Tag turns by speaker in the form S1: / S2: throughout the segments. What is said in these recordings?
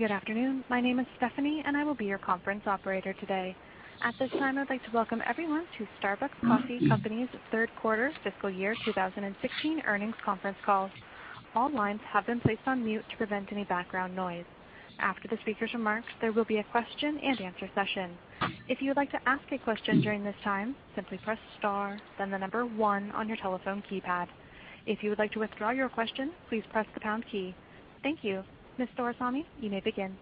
S1: Good afternoon. My name is Stephanie, I will be your conference operator today. At this time, I'd like to welcome everyone to Starbucks Coffee Company's third quarter fiscal year 2016 earnings conference call. All lines have been placed on mute to prevent any background noise. After the speaker's remarks, there will be a question and answer session. If you would like to ask a question during this time, simply press star, then the number one on your telephone keypad. If you would like to withdraw your question, please press the pound key. Thank you. Ms. Doraisamy, you may begin.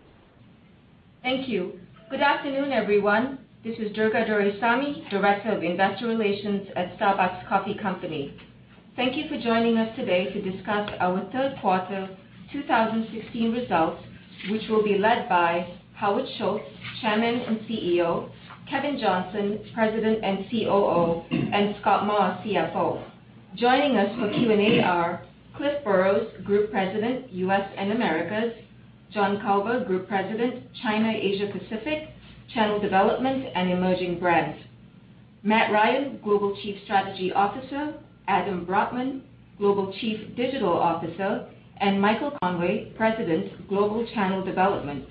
S2: Thank you. Good afternoon, everyone. This is Durga Doraisamy, Director of Investor Relations at Starbucks Coffee Company. Thank you for joining us today to discuss our third quarter 2016 results, which will be led by Howard Schultz, Chairman and CEO, Kevin Johnson, President and COO, and Scott Maw, CFO. Joining us for Q&A are Cliff Burrows, Group President, U.S. and Americas; John Culver, Group President, China, Asia Pacific, Channel Development, and Emerging Brands; Matt Ryan, Global Chief Strategy Officer; Adam Brotman, Global Chief Digital Officer; and Michael Conway, President, Global Channel Development.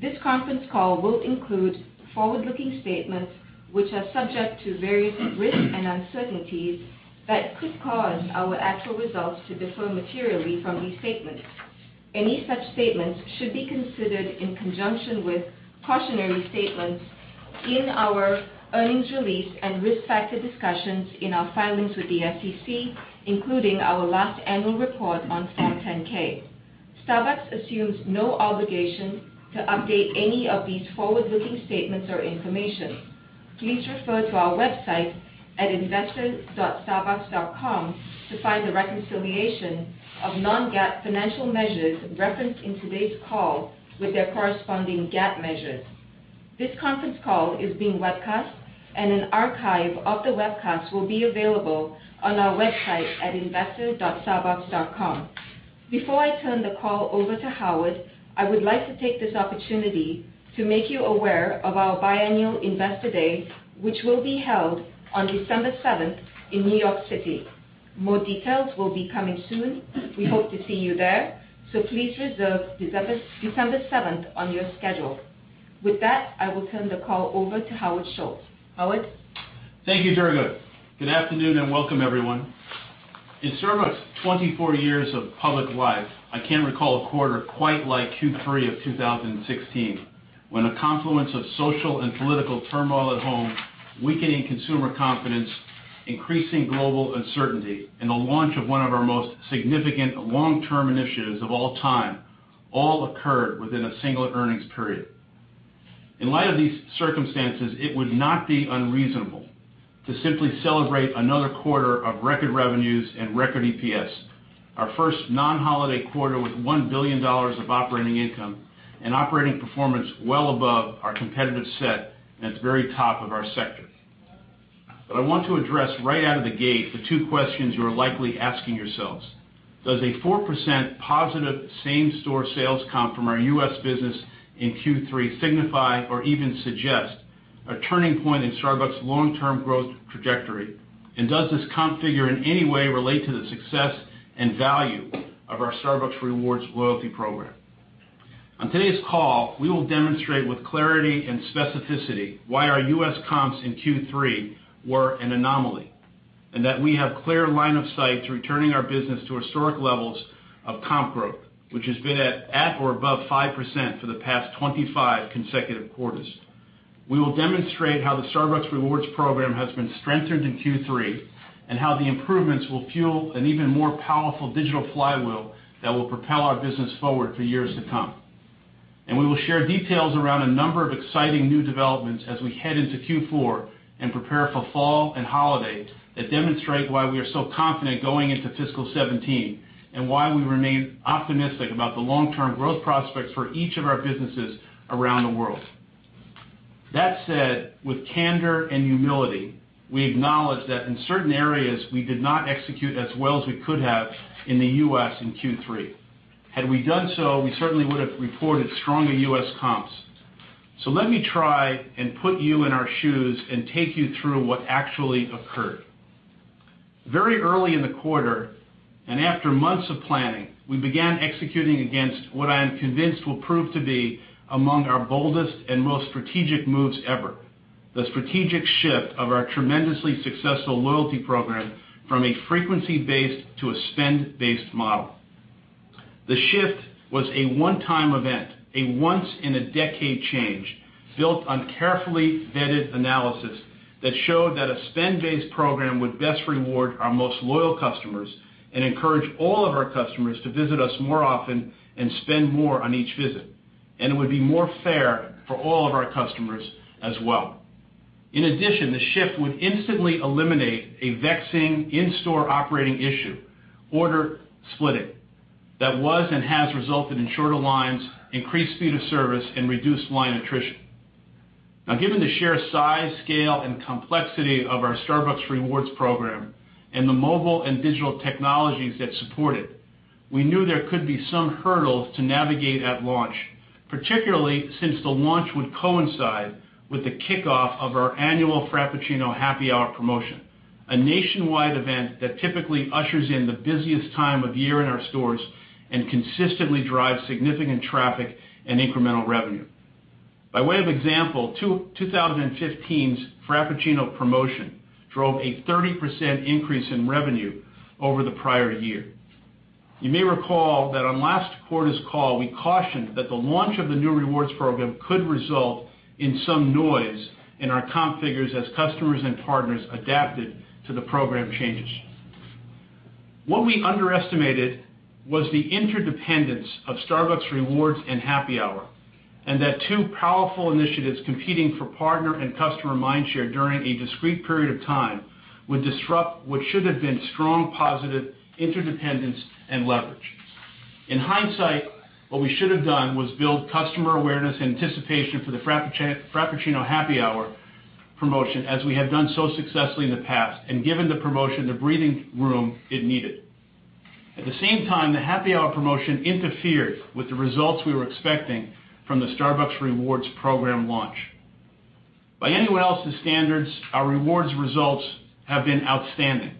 S2: This conference call will include forward-looking statements which are subject to various risks and uncertainties that could cause our actual results to differ materially from these statements. Any such statements should be considered in conjunction with cautionary statements in our earnings release and risk factor discussions in our filings with the SEC, including our last annual report on Form 10-K. Starbucks assumes no obligation to update any of these forward-looking statements or information. Please refer to our website at investor.starbucks.com to find the reconciliation of non-GAAP financial measures referenced in today's call with their corresponding GAAP measures. This conference call is being webcast, an archive of the webcast will be available on our website at investor.starbucks.com. Before I turn the call over to Howard, I would like to take this opportunity to make you aware of our biannual Investor Day, which will be held on December 7th in New York City. More details will be coming soon. We hope to see you there. Please reserve December 7th on your schedule. With that, I will turn the call over to Howard Schultz. Howard?
S3: Thank you, Durga. Good afternoon, and welcome, everyone. In Starbucks' 24 years of public life, I can't recall a quarter quite like Q3 of 2016, when a confluence of social and political turmoil at home, weakening consumer confidence, increasing global uncertainty, and the launch of one of our most significant long-term initiatives of all time, all occurred within a single earnings period. In light of these circumstances, it would not be unreasonable to simply celebrate another quarter of record revenues and record EPS. Our first non-holiday quarter with $1 billion of operating income and operating performance well above our competitive set at the very top of our sector. I want to address right out of the gate the two questions you are likely asking yourselves. Does a 4% positive same-store sales comp from our U.S. business in Q3 signify or even suggest a turning point in Starbucks' long-term growth trajectory? Does this comp figure in any way relate to the success and value of our Starbucks Rewards loyalty program? On today's call, we will demonstrate with clarity and specificity why our U.S. comps in Q3 were an anomaly, and that we have clear line of sight to returning our business to historic levels of comp growth. Which has been at or above 5% for the past 25 consecutive quarters. We will demonstrate how the Starbucks Rewards program has been strengthened in Q3, and how the improvements will fuel an even more powerful digital flywheel that will propel our business forward for years to come. We will share details around a number of exciting new developments as we head into Q4 and prepare for fall and holiday that demonstrate why we are so confident going into fiscal 2017, and why we remain optimistic about the long-term growth prospects for each of our businesses around the world. That said, with candor and humility, we acknowledge that in certain areas, we did not execute as well as we could have in the U.S. in Q3. Had we done so, we certainly would have reported stronger U.S. comps. Let me try and put you in our shoes and take you through what actually occurred. Very early in the quarter, after months of planning, we began executing against what I am convinced will prove to be among our boldest and most strategic moves ever, the strategic shift of our tremendously successful loyalty program from a frequency-based to a spend-based model. The shift was a one-time event, a once-in-a-decade change, built on carefully vetted analysis that showed that a spend-based program would best reward our most loyal customers and encourage all of our customers to visit us more often and spend more on each visit. It would be more fair for all of our customers as well. In addition, the shift would instantly eliminate a vexing in-store operating issue, order splitting, that was and has resulted in shorter lines, increased speed of service, and reduced line attrition. Given the sheer size, scale, and complexity of our Starbucks Rewards program and the mobile and digital technologies that support it, we knew there could be some hurdles to navigate at launch. Particularly, since the launch would coincide with the kickoff of our annual Frappuccino Happy Hour promotion, a nationwide event that typically ushers in the busiest time of year in our stores and consistently drives significant traffic and incremental revenue. By way of example, 2015's Frappuccino promotion drove a 30% increase in revenue over the prior year. You may recall that on last quarter's call, we cautioned that the launch of the new Rewards program could result in some noise in our comp figures as customers and partners adapted to the program changes. What we underestimated was the interdependence of Starbucks Rewards and Happy Hour, and that two powerful initiatives competing for partner and customer mind share during a discrete period of time would disrupt what should have been strong positive interdependence and leverage. In hindsight, what we should have done was build customer awareness anticipation for the Frappuccino Happy Hour promotion as we have done so successfully in the past and given the promotion the breathing room it needed. At the same time, the Happy Hour promotion interfered with the results we were expecting from the Starbucks Rewards program launch. By anyone else's standards, our Rewards results have been outstanding.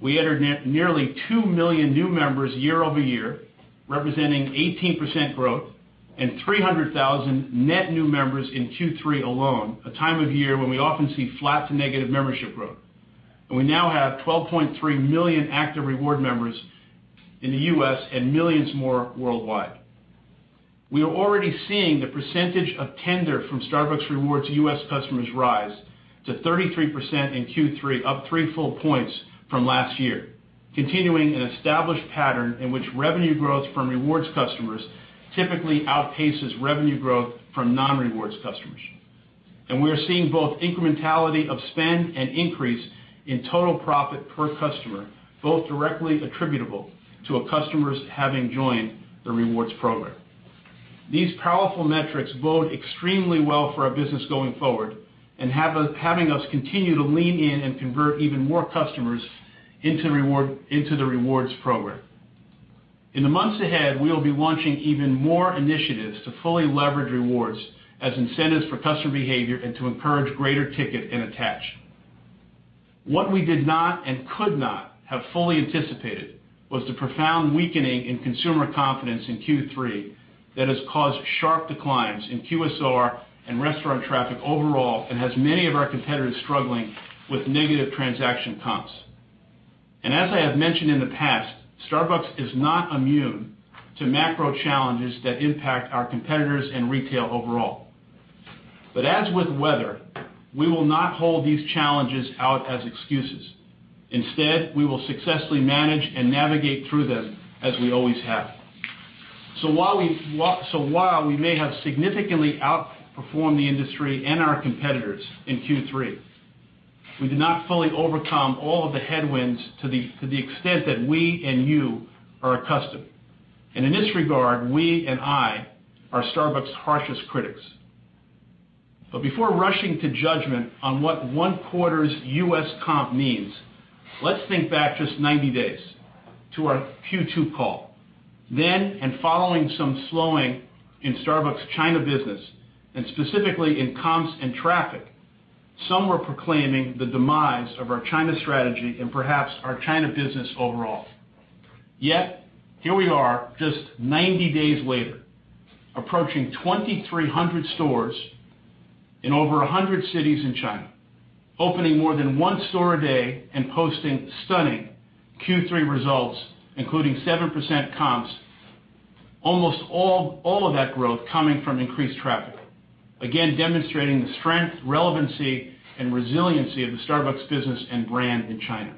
S3: We added nearly 2 million new members year-over-year, representing 18% growth and 300,000 net new members in Q3 alone, a time of year when we often see flat to negative membership growth. We now have 12.3 million active reward members in the U.S. and millions more worldwide. We are already seeing the percentage of tender from Starbucks Rewards U.S. customers rise to 33% in Q3, up three full points from last year, continuing an established pattern in which revenue growth from Rewards customers typically outpaces revenue growth from non-Rewards customers. We are seeing both incrementality of spend and increase in total profit per customer, both directly attributable to our customers having joined the Rewards program. These powerful metrics bode extremely well for our business going forward and having us continue to lean in and convert even more customers into the Rewards program. In the months ahead, we will be launching even more initiatives to fully leverage Rewards as incentives for customer behavior and to encourage greater ticket and attach. What we did not and could not have fully anticipated was the profound weakening in consumer confidence in Q3 that has caused sharp declines in QSR and restaurant traffic overall and has many of our competitors struggling with negative transaction comps. As I have mentioned in the past, Starbucks is not immune to macro challenges that impact our competitors and retail overall. As with weather, we will not hold these challenges out as excuses. Instead, we will successfully manage and navigate through them as we always have. While we may have significantly outperformed the industry and our competitors in Q3, we did not fully overcome all of the headwinds to the extent that we and you are accustomed. In this regard, we and I are Starbucks' harshest critics. Before rushing to judgment on what one quarter's U.S. comp means, let's think back just 90 days to our Q2 call. Then, following some slowing in Starbucks China business, and specifically in comps and traffic, some were proclaiming the demise of our China strategy and perhaps our China business overall. Yet, here we are, just 90 days later, approaching 2,300 stores in over 100 cities in China, opening more than one store a day and posting stunning Q3 results, including 7% comps. Almost all of that growth coming from increased traffic. Again, demonstrating the strength, relevancy, and resiliency of the Starbucks business and brand in China.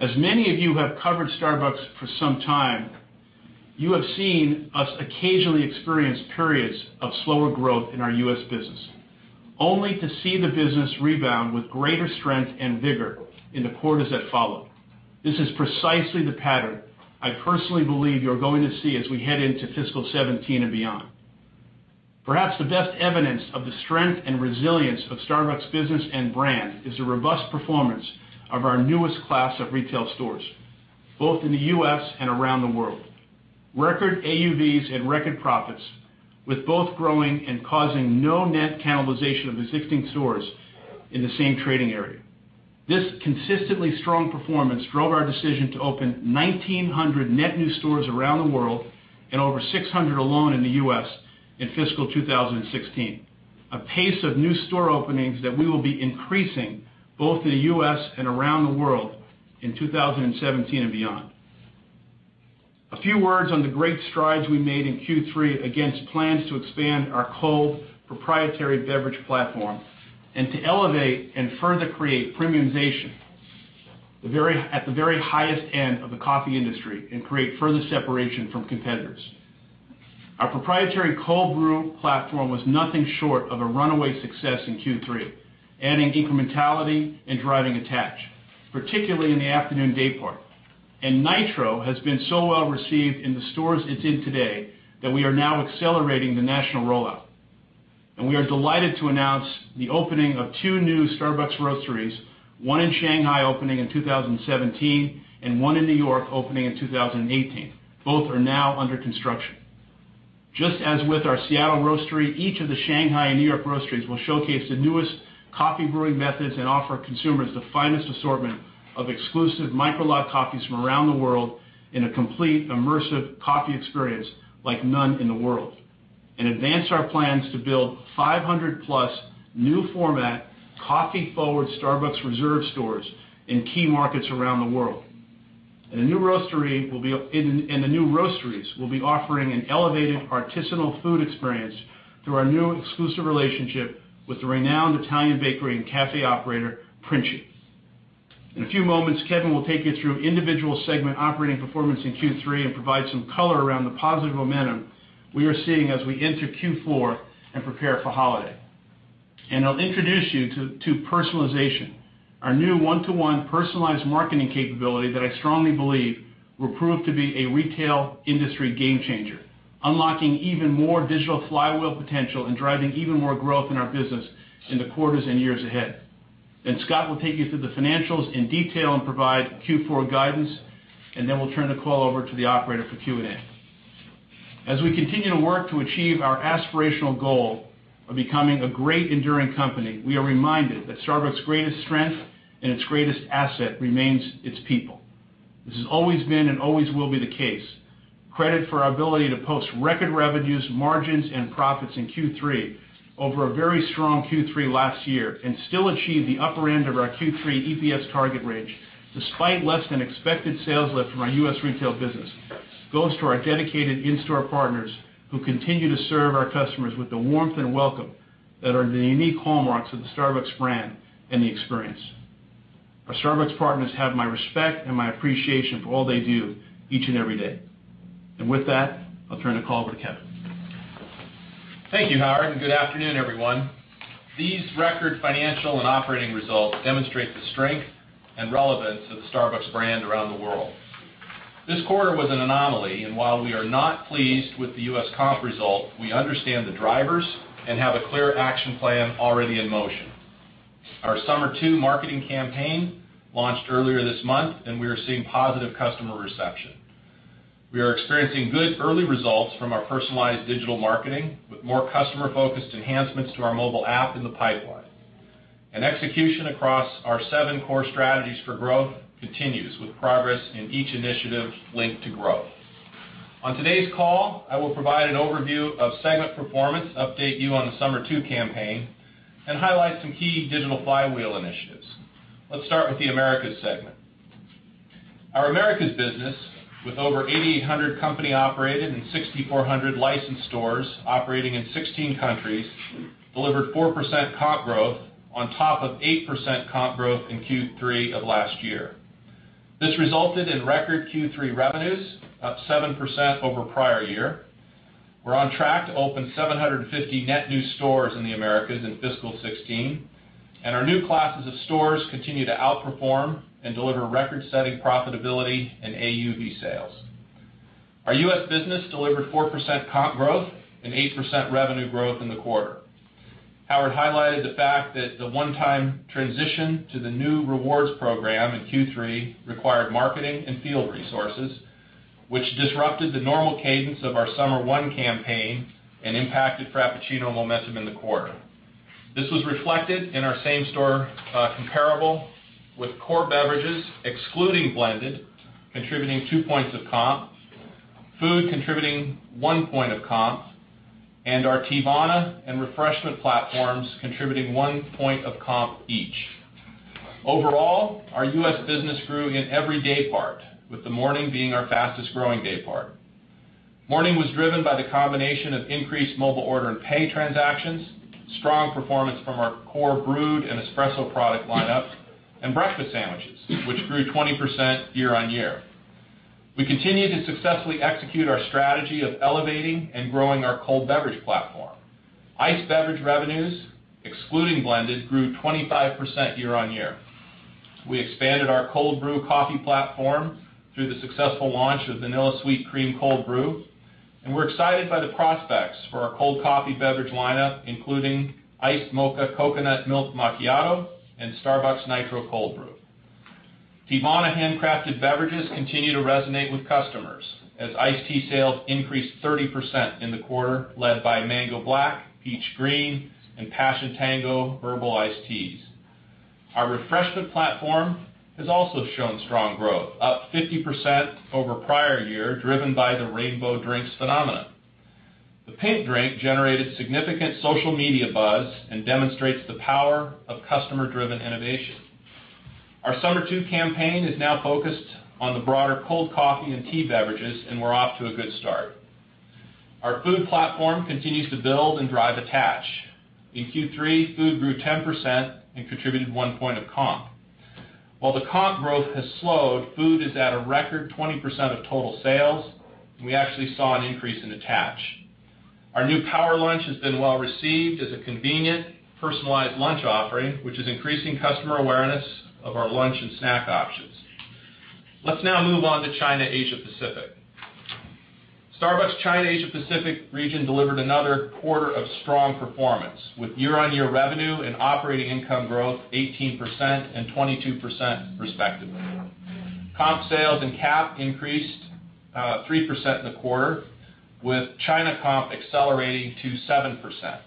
S3: As many of you who have covered Starbucks for some time, you have seen us occasionally experience periods of slower growth in our U.S. business, only to see the business rebound with greater strength and vigor in the quarters that follow. This is precisely the pattern I personally believe you are going to see as we head into fiscal 2017 and beyond. Perhaps the best evidence of the strength and resilience of Starbucks business and brand is the robust performance of our newest class of retail stores, both in the U.S. and around the world. Record AUVs and record profits, with both growing and causing no net cannibalization of existing stores in the same trading area. This consistently strong performance drove our decision to open 1,900 net new stores around the world and over 600 alone in the U.S. in fiscal 2016, a pace of new store openings that we will be increasing both in the U.S. and around the world in 2017 and beyond. A few words on the great strides we made in Q3 against plans to expand our cold proprietary beverage platform and to elevate and further create premiumization at the very highest end of the coffee industry and create further separation from competitors. Our proprietary Cold Brew platform was nothing short of a runaway success in Q3, adding incrementality and driving attach, particularly in the afternoon daypart. Nitro has been so well-received in the stores it's in today that we are now accelerating the national rollout. We are delighted to announce the opening of two new Starbucks roasteries, one in Shanghai opening in 2017, and one in New York opening in 2018. Both are now under construction. Just as with our Seattle roastery, each of the Shanghai and New York roasteries will showcase the newest coffee brewing methods and offer consumers the finest assortment of exclusive micro lot coffees from around the world in a complete, immersive coffee experience like none in the world, and advance our plans to build 500 plus new format, coffee-forward Starbucks Reserve stores in key markets around the world. The new roasteries will be offering an elevated artisanal food experience through our new exclusive relationship with the renowned Italian bakery and café operator, Princi. In a few moments, Kevin will take you through individual segment operating performance in Q3 and provide some color around the positive momentum we are seeing as we enter Q4 and prepare for holiday. I'll introduce you to personalization, our new one-to-one personalized marketing capability that I strongly believe will prove to be a retail industry game changer, unlocking even more digital flywheel potential and driving even more growth in our business in the quarters and years ahead. Scott will take you through the financials in detail and provide Q4 guidance, and then we'll turn the call over to the operator for Q&A. As we continue to work to achieve our aspirational goal of becoming a great enduring company, we are reminded that Starbucks' greatest strength and its greatest asset remains its people. This has always been and always will be the case. Credit for our ability to post record revenues, margins, and profits in Q3 over a very strong Q3 last year, and still achieve the upper end of our Q3 EPS target range, despite less-than-expected sales lift from our U.S. retail business, goes to our dedicated in-store partners who continue to serve our customers with the warmth and welcome that are the unique hallmarks of the Starbucks brand and the experience. Our Starbucks partners have my respect and my appreciation for all they do each and every day. With that, I'll turn the call over to Kevin.
S4: Thank you, Howard, and good afternoon, everyone. These record financial and operating results demonstrate the strength and relevance of the Starbucks brand around the world. This quarter was an anomaly, and while we are not pleased with the U.S. comp result, we understand the drivers and have a clear action plan already in motion. Our Summer Two marketing campaign launched earlier this month, and we are seeing positive customer reception. We are experiencing good early results from our personalized digital marketing, with more customer-focused enhancements to our mobile app in the pipeline. Execution across our seven core strategies for growth continues, with progress in each initiative linked to growth. On today's call, I will provide an overview of segment performance, update you on the Summer Two campaign, and highlight some key digital flywheel initiatives. Let's start with the Americas segment. Our Americas business, with over 8,800 company-operated and 6,400 licensed stores operating in 16 countries, delivered 4% comp growth on top of 8% comp growth in Q3 of last year. This resulted in record Q3 revenues, up 7% over prior year. We're on track to open 750 net new stores in the Americas in fiscal 2016, and our new classes of stores continue to outperform and deliver record-setting profitability and AUV sales. Our U.S. business delivered 4% comp growth and 8% revenue growth in the quarter. Howard highlighted the fact that the one-time transition to the new rewards program in Q3 required marketing and field resources, which disrupted the normal cadence of our Summer One campaign and impacted Frappuccino momentum in the quarter. This was reflected in our same-store comparable with core beverages, excluding blended, contributing 2 points of comp, food contributing 1 point of comp, and our Teavana and refreshment platforms contributing 1 point of comp each. Overall, our U.S. business grew in every daypart, with the morning being our fastest-growing daypart. Morning was driven by the combination of increased Mobile Order & Pay transactions, strong performance from our core brewed and espresso product lineup, and breakfast sandwiches, which grew 20% year-over-year. We continue to successfully execute our strategy of elevating and growing our cold beverage platform. Iced beverage revenues, excluding blended, grew 25% year-over-year. We expanded our Cold Brew coffee platform through the successful launch of Vanilla Sweet Cream Cold Brew, and we're excited by the prospects for our cold coffee beverage lineup, including Iced Coconutmilk Mocha Macchiato and Starbucks Nitro Cold Brew. Teavana handcrafted beverages continue to resonate with customers as iced tea sales increased 30% in the quarter, led by Mango Black, Peach Green, and Passion Tango herbal iced teas. Our refreshment platform has also shown strong growth, up 50% over prior year, driven by the Rainbow Drinks phenomenon. The Pink Drink generated significant social media buzz and demonstrates the power of customer-driven innovation. Our Summer Two campaign is now focused on the broader cold coffee and tea beverages, and we're off to a good start. Our food platform continues to build and drive attach. In Q3, food grew 10% and contributed 1 point of comp. While the comp growth has slowed, food is at a record 20% of total sales, and we actually saw an increase in attach. Our new Power Lunch has been well received as a convenient, personalized lunch offering, which is increasing customer awareness of our lunch and snack options. Let's now move on to China, Asia Pacific. Starbucks China-Asia Pacific region delivered another quarter of strong performance with year-over-year revenue and operating income growth 18% and 22% respectively. Comp sales and CAP increased 3% in the quarter, with China comp accelerating to 7%.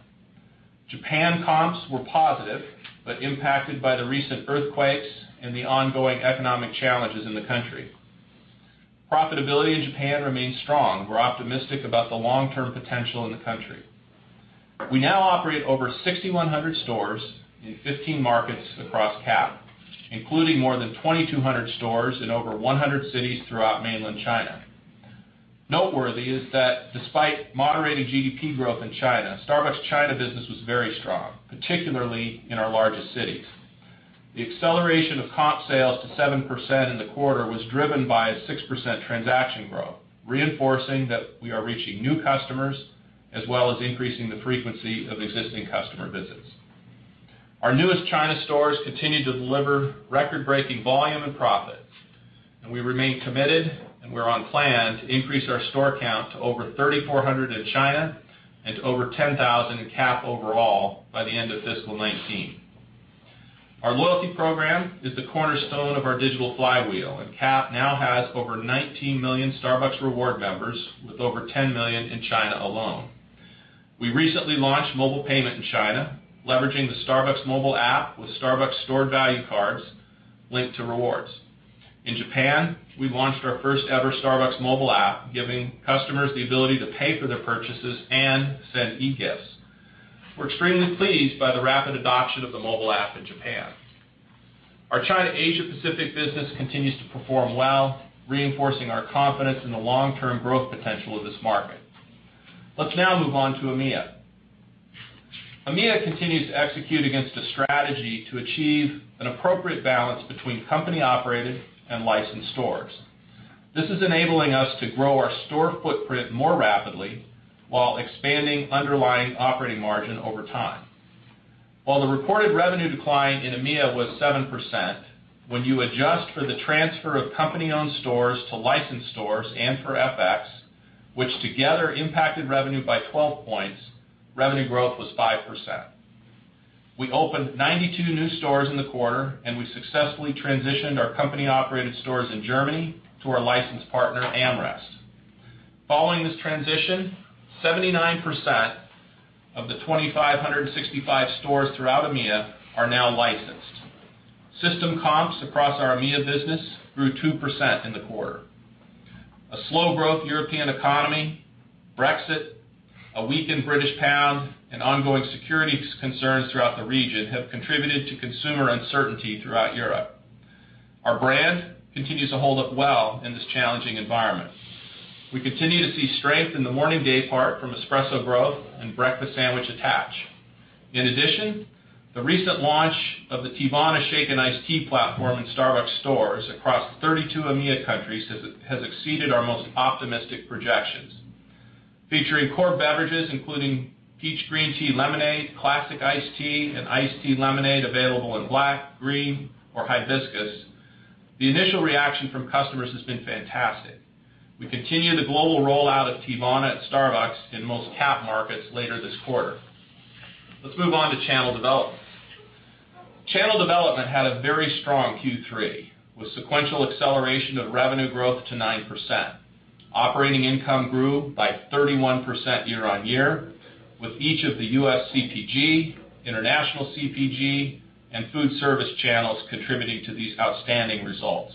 S4: Japan comps were positive, but impacted by the recent earthquakes and the ongoing economic challenges in the country. Profitability in Japan remains strong. We're optimistic about the long-term potential in the country. We now operate over 6,100 stores in 15 markets across CAP, including more than 2,200 stores in over 100 cities throughout mainland China. Noteworthy is that despite moderating GDP growth in China, Starbucks China business was very strong, particularly in our largest cities. The acceleration of comp sales to 7% in the quarter was driven by a 6% transaction growth, reinforcing that we are reaching new customers, as well as increasing the frequency of existing customer visits. Our newest China stores continue to deliver record-breaking volume and profits, and we remain committed, and we're on plan to increase our store count to over 3,400 in China and to over 10,000 in CAP overall by the end of fiscal 2019. Our loyalty program is the cornerstone of our digital flywheel, and CAP now has over 19 million Starbucks Rewards members, with over 10 million in China alone. We recently launched mobile payment in China, leveraging the Starbucks mobile app with Starbucks stored value cards linked to rewards. In Japan, we launched our first ever Starbucks mobile app, giving customers the ability to pay for their purchases and send e-gifts. We're extremely pleased by the rapid adoption of the mobile app in Japan. Our China, Asia Pacific business continues to perform well, reinforcing our confidence in the long-term growth potential of this market. Let's now move on to EMEA. EMEA continues to execute against a strategy to achieve an appropriate balance between company-operated and licensed stores. This is enabling us to grow our store footprint more rapidly while expanding underlying operating margin over time. While the reported revenue decline in EMEA was 7%, when you adjust for the transfer of company-owned stores to licensed stores and for FX, which together impacted revenue by 12 points, revenue growth was 5%. We opened 92 new stores in the quarter, and we successfully transitioned our company-operated stores in Germany to our licensed partner, AmRest. Following this transition, 79% of the 2,565 stores throughout EMEA are now licensed. System comps across our EMEA business grew 2% in the quarter. A slow-growth European economy, Brexit, a weakened British pound, and ongoing security concerns throughout the region have contributed to consumer uncertainty throughout Europe. Our brand continues to hold up well in this challenging environment. We continue to see strength in the morning day part from espresso growth and breakfast sandwich attach. In addition, the recent launch of the Teavana Shaken Iced Tea platform in Starbucks stores across 32 EMEA countries has exceeded our most optimistic projections. Featuring core beverages including Iced Peach Green Tea Lemonade, classic iced tea, and iced tea lemonade available in black, green, or hibiscus, the initial reaction from customers has been fantastic. We continue the global rollout of Teavana at Starbucks in most CAP markets later this quarter. Let's move on to channel development. Channel development had a very strong Q3, with sequential acceleration of revenue growth to 9%. Operating income grew by 31% year-over-year with each of the U.S. CPG, international CPG, and food service channels contributing to these outstanding results.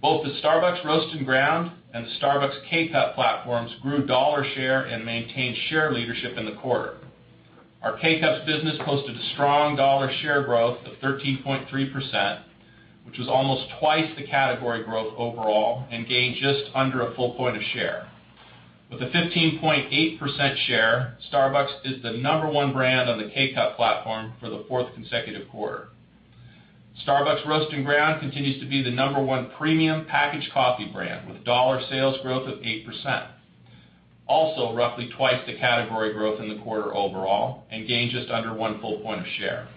S4: Both the Starbucks Roast & Ground and the Starbucks K-Cup platforms grew dollar share and maintained share leadership in the quarter. Our K-Cup business posted a strong dollar share growth of 13.3%, which was almost twice the category growth overall and gained just under a full point of share. With a 15.8% share, Starbucks is the number one brand on the K-Cup platform for the fourth consecutive quarter. Starbucks Roast & Ground continues to be the number one premium packaged coffee brand, with dollar sales growth of 8%. Also roughly twice the category growth in the quarter overall and gained just under one full point of share.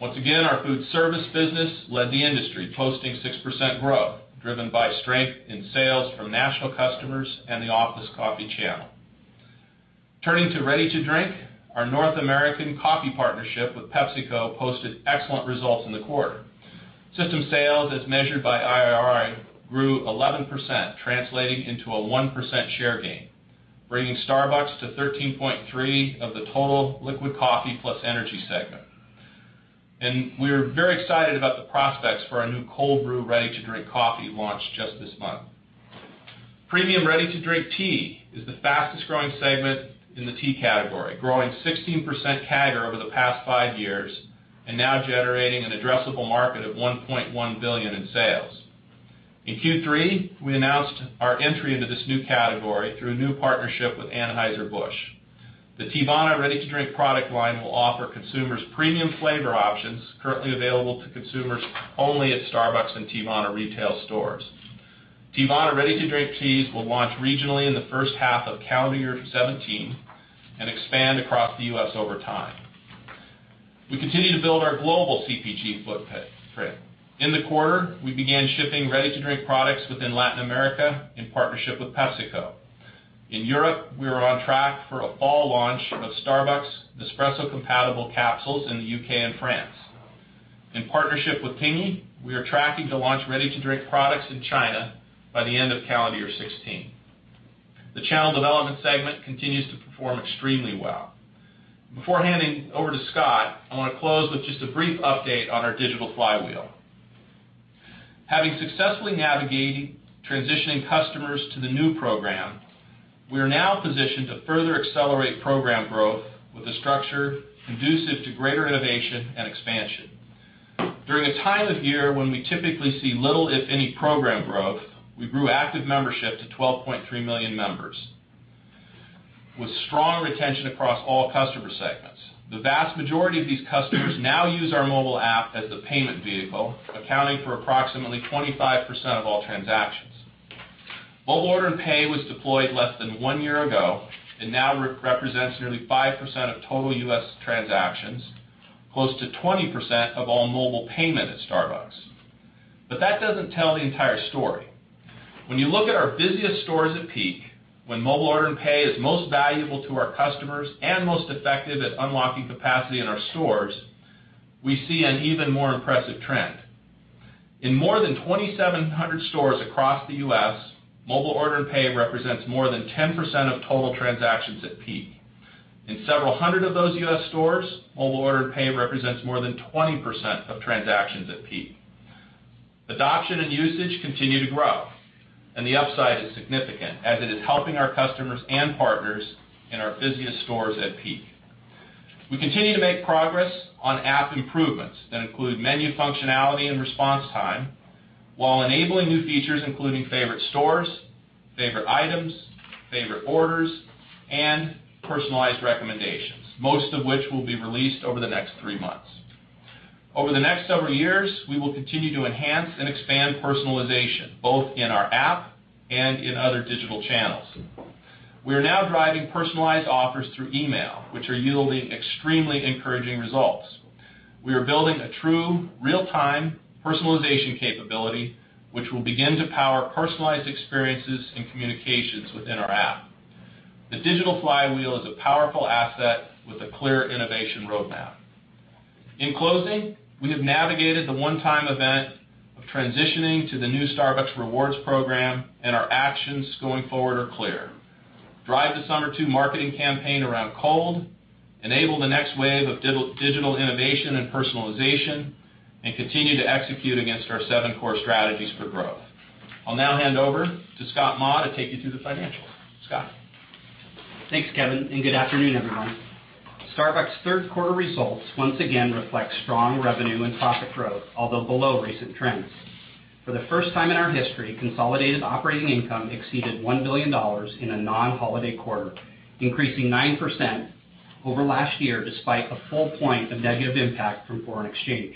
S4: Once again, our food service business led the industry, posting 6% growth, driven by strength in sales from national customers and the office coffee channel. Turning to ready-to-drink, our North American Coffee Partnership with PepsiCo posted excellent results in the quarter. System sales, as measured by IRI, grew 11%, translating into a 1% share gain, bringing Starbucks to 13.3% of the total liquid coffee plus energy segment. We are very excited about the prospects for our new Cold Brew ready-to-drink coffee launch just this month. Premium ready-to-drink tea is the fastest-growing segment in the tea category, growing 16% CAGR over the past five years and now generating an addressable market of $1.1 billion in sales. In Q3, we announced our entry into this new category through a new partnership with Anheuser-Busch. The Teavana ready-to-drink product line will offer consumers premium flavor options currently available to consumers only at Starbucks and Teavana retail stores. Teavana ready-to-drink teas will launch regionally in the first half of calendar year 2017 and expand across the U.S. over time. We continue to build our global CPG footprint. In the quarter, we began shipping ready-to-drink products within Latin America in partnership with PepsiCo. In Europe, we are on track for a fall launch of Starbucks Nespresso-compatible capsules in the U.K. and France. In partnership with Tingyi, we are tracking to launch ready-to-drink products in China by the end of calendar year 2016. The channel development segment continues to perform extremely well. Before handing over to Scott, I want to close with just a brief update on our digital flywheel. Having successfully navigated transitioning customers to the new program, we are now positioned to further accelerate program growth with a structure conducive to greater innovation and expansion. During a time of year when we typically see little, if any, program growth, we grew active membership to 12.3 million members, with strong retention across all customer segments. The vast majority of these customers now use our mobile app as the payment vehicle, accounting for approximately 25% of all transactions. Mobile Order & Pay was deployed less than one year ago and now represents nearly 5% of total U.S. transactions, close to 20% of all mobile payment at Starbucks. That doesn't tell the entire story. When you look at our busiest stores at peak, when Mobile Order & Pay is most valuable to our customers and most effective at unlocking capacity in our stores, we see an even more impressive trend. In more than 2,700 stores across the U.S., Mobile Order & Pay represents more than 10% of total transactions at peak. In several hundred of those U.S. stores, Mobile Order & Pay represents more than 20% of transactions at peak. Adoption and usage continue to grow, and the upside is significant as it is helping our customers and partners in our busiest stores at peak. We continue to make progress on app improvements that include menu functionality and response time, while enabling new features including favorite stores, favorite items, favorite orders, and personalized recommendations, most of which will be released over the next three months. Over the next several years, we will continue to enhance and expand personalization, both in our app and in other digital channels. We are now driving personalized offers through email, which are yielding extremely encouraging results. We are building a true real-time personalization capability, which will begin to power personalized experiences and communications within our app. The digital flywheel is a powerful asset with a clear innovation roadmap. In closing, we have navigated the one-time event of transitioning to the new Starbucks Rewards program, and our actions going forward are clear: Drive the Summer Two marketing campaign around cold, enable the next wave of digital innovation and personalization, and continue to execute against our seven core strategies for growth. I'll now hand over to Scott Maw to take you through the financials. Scott?
S5: Thanks, Kevin, and good afternoon, everyone. Starbucks' third quarter results once again reflect strong revenue and profit growth, although below recent trends. For the first time in our history, consolidated operating income exceeded $1 billion in a non-holiday quarter, increasing 9% over last year, despite a full point of negative impact from foreign exchange.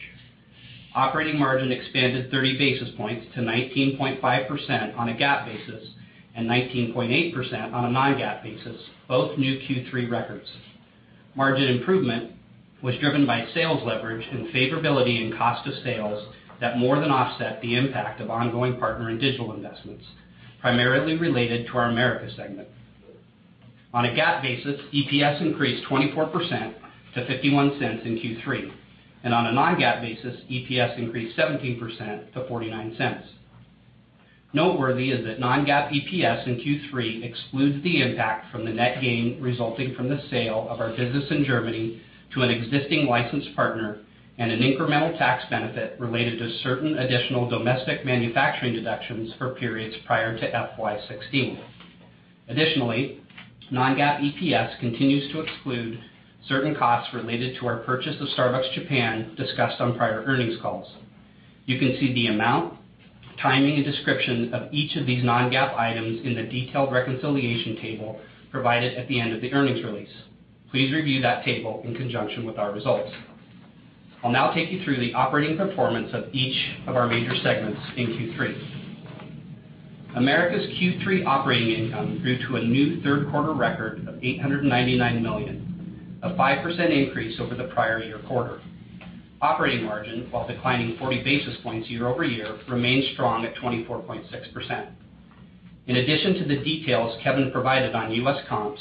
S5: Operating margin expanded 30 basis points to 19.5% on a GAAP basis and 19.8% on a non-GAAP basis, both new Q3 records. Margin improvement was driven by sales leverage and favorability in cost of sales that more than offset the impact of ongoing partner and digital investments, primarily related to our Americas segment. On a GAAP basis, EPS increased 24% to $0.51 in Q3, and on a non-GAAP basis, EPS increased 17% to $0.49. Noteworthy is that non-GAAP EPS in Q3 excludes the impact from the net gain resulting from the sale of our business in Germany to an existing licensed partner and an incremental tax benefit related to certain additional domestic manufacturing deductions for periods prior to FY 2016. Additionally, non-GAAP EPS continues to exclude certain costs related to our purchase of Starbucks Japan, discussed on prior earnings calls. You can see the amount, timing, and description of each of these non-GAAP items in the detailed reconciliation table provided at the end of the earnings release. Please review that table in conjunction with our results. I'll now take you through the operating performance of each of our major segments in Q3. Americas Q3 operating income grew to a new third-quarter record of $899 million, a 5% increase over the prior year quarter. Operating margin, while declining 40 basis points year-over-year, remained strong at 24.6%. In addition to the details Kevin provided on U.S. comps,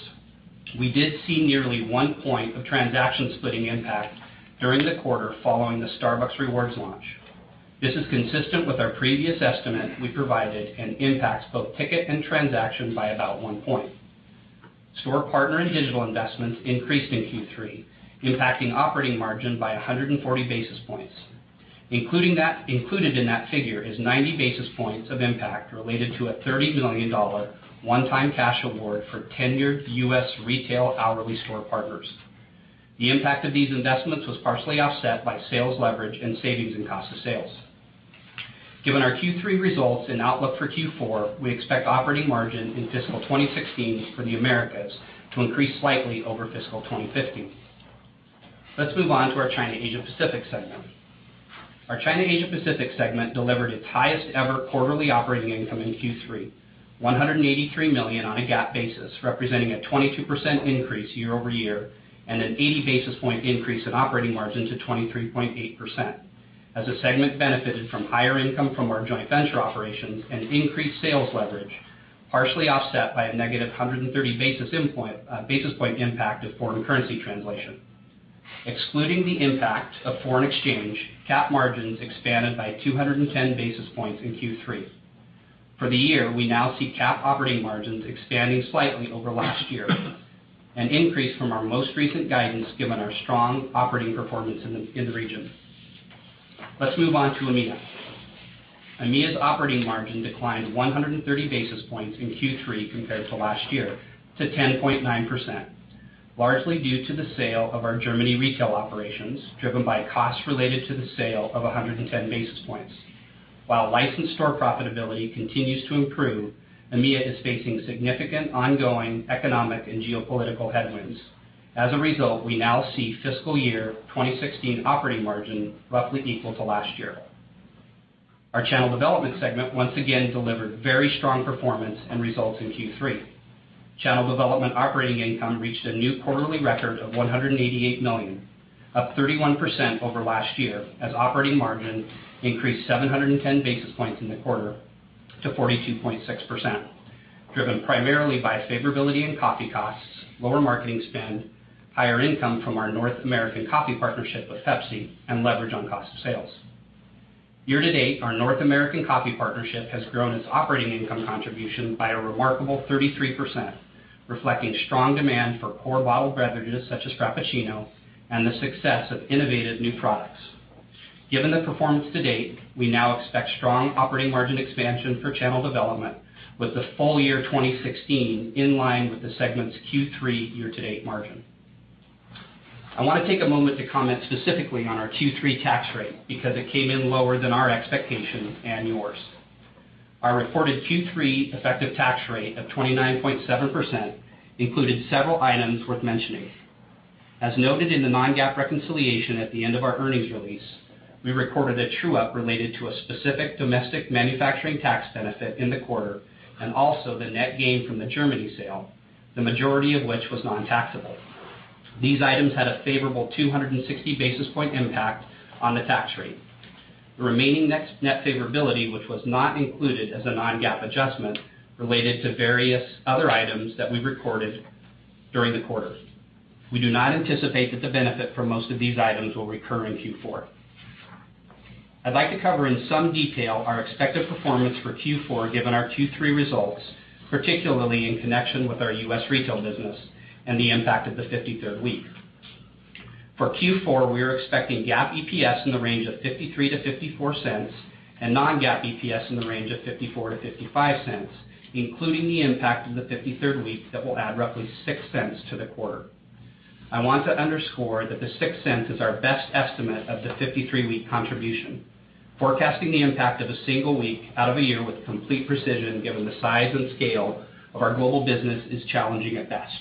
S5: we did see nearly one point of transaction-splitting impact during the quarter following the Starbucks Rewards launch. This is consistent with our previous estimate we provided and impacts both ticket and transaction by about one point. Store partner and digital investments increased in Q3, impacting operating margin by 140 basis points. Included in that figure is 90 basis points of impact related to a $30 million one-time cash award for tenured U.S. retail hourly store partners. The impact of these investments was partially offset by sales leverage and savings in cost of sales. Given our Q3 results and outlook for Q4, we expect operating margin in fiscal 2016 for the Americas to increase slightly over fiscal 2015. Let's move on to our China Asia Pacific segment. Our China Asia Pacific segment delivered its highest ever quarterly operating income in Q3. $183 million on a GAAP basis, representing a 22% increase year-over-year, and an 80 basis point increase in operating margin to 23.8%. As the segment benefited from higher income from our joint venture operations and increased sales leverage, partially offset by a negative 130 basis point impact of foreign currency translation. Excluding the impact of foreign exchange, CAP margins expanded by 210 basis points in Q3. For the year, we now see CAP operating margins expanding slightly over last year, an increase from our most recent guidance given our strong operating performance in the region. Let's move on to EMEA. EMEA's operating margin declined 130 basis points in Q3 compared to last year to 10.9%, largely due to the sale of our Germany retail operations, driven by costs related to the sale of 110 basis points. While licensed store profitability continues to improve, EMEA is facing significant ongoing economic and geopolitical headwinds. We now see fiscal year 2016 operating margin roughly equal to last year. Our channel development segment once again delivered very strong performance and results in Q3. Channel development operating income reached a new quarterly record of $188 million, up 31% over last year, as operating margin increased 710 basis points in the quarter to 42.6%, driven primarily by favorability in coffee costs, lower marketing spend, higher income from our North American Coffee Partnership with Pepsi, and leverage on cost of sales. Year to date, our North American Coffee Partnership has grown its operating income contribution by a remarkable 33%, reflecting strong demand for core bottled beverages such as Frappuccino and the success of innovative new products. Given the performance to date, we now expect strong operating margin expansion for channel development with the full year 2016 in line with the segment's Q3 year-to-date margin. I want to take a moment to comment specifically on our Q3 tax rate because it came in lower than our expectation and yours. Our reported Q3 effective tax rate of 29.7% included several items worth mentioning. As noted in the non-GAAP reconciliation at the end of our earnings release, we recorded a true-up related to a specific domestic manufacturing tax benefit in the quarter, and also the net gain from the Germany sale, the majority of which was non-taxable. These items had a favorable 260 basis point impact on the tax rate. The remaining net favorability, which was not included as a non-GAAP adjustment, related to various other items that we recorded during the quarter. We do not anticipate that the benefit for most of these items will recur in Q4. I'd like to cover in some detail our expected performance for Q4 given our Q3 results, particularly in connection with our U.S. retail business and the impact of the 53rd week. For Q4, we are expecting GAAP EPS in the range of $0.53-$0.54 and non-GAAP EPS in the range of $0.54-$0.55, including the impact of the 53rd week that will add roughly $0.06 to the quarter. I want to underscore that the $0.06 is our best estimate of the 53 week contribution. Forecasting the impact of a single week out of a year with complete precision given the size and scale of our global business is challenging at best.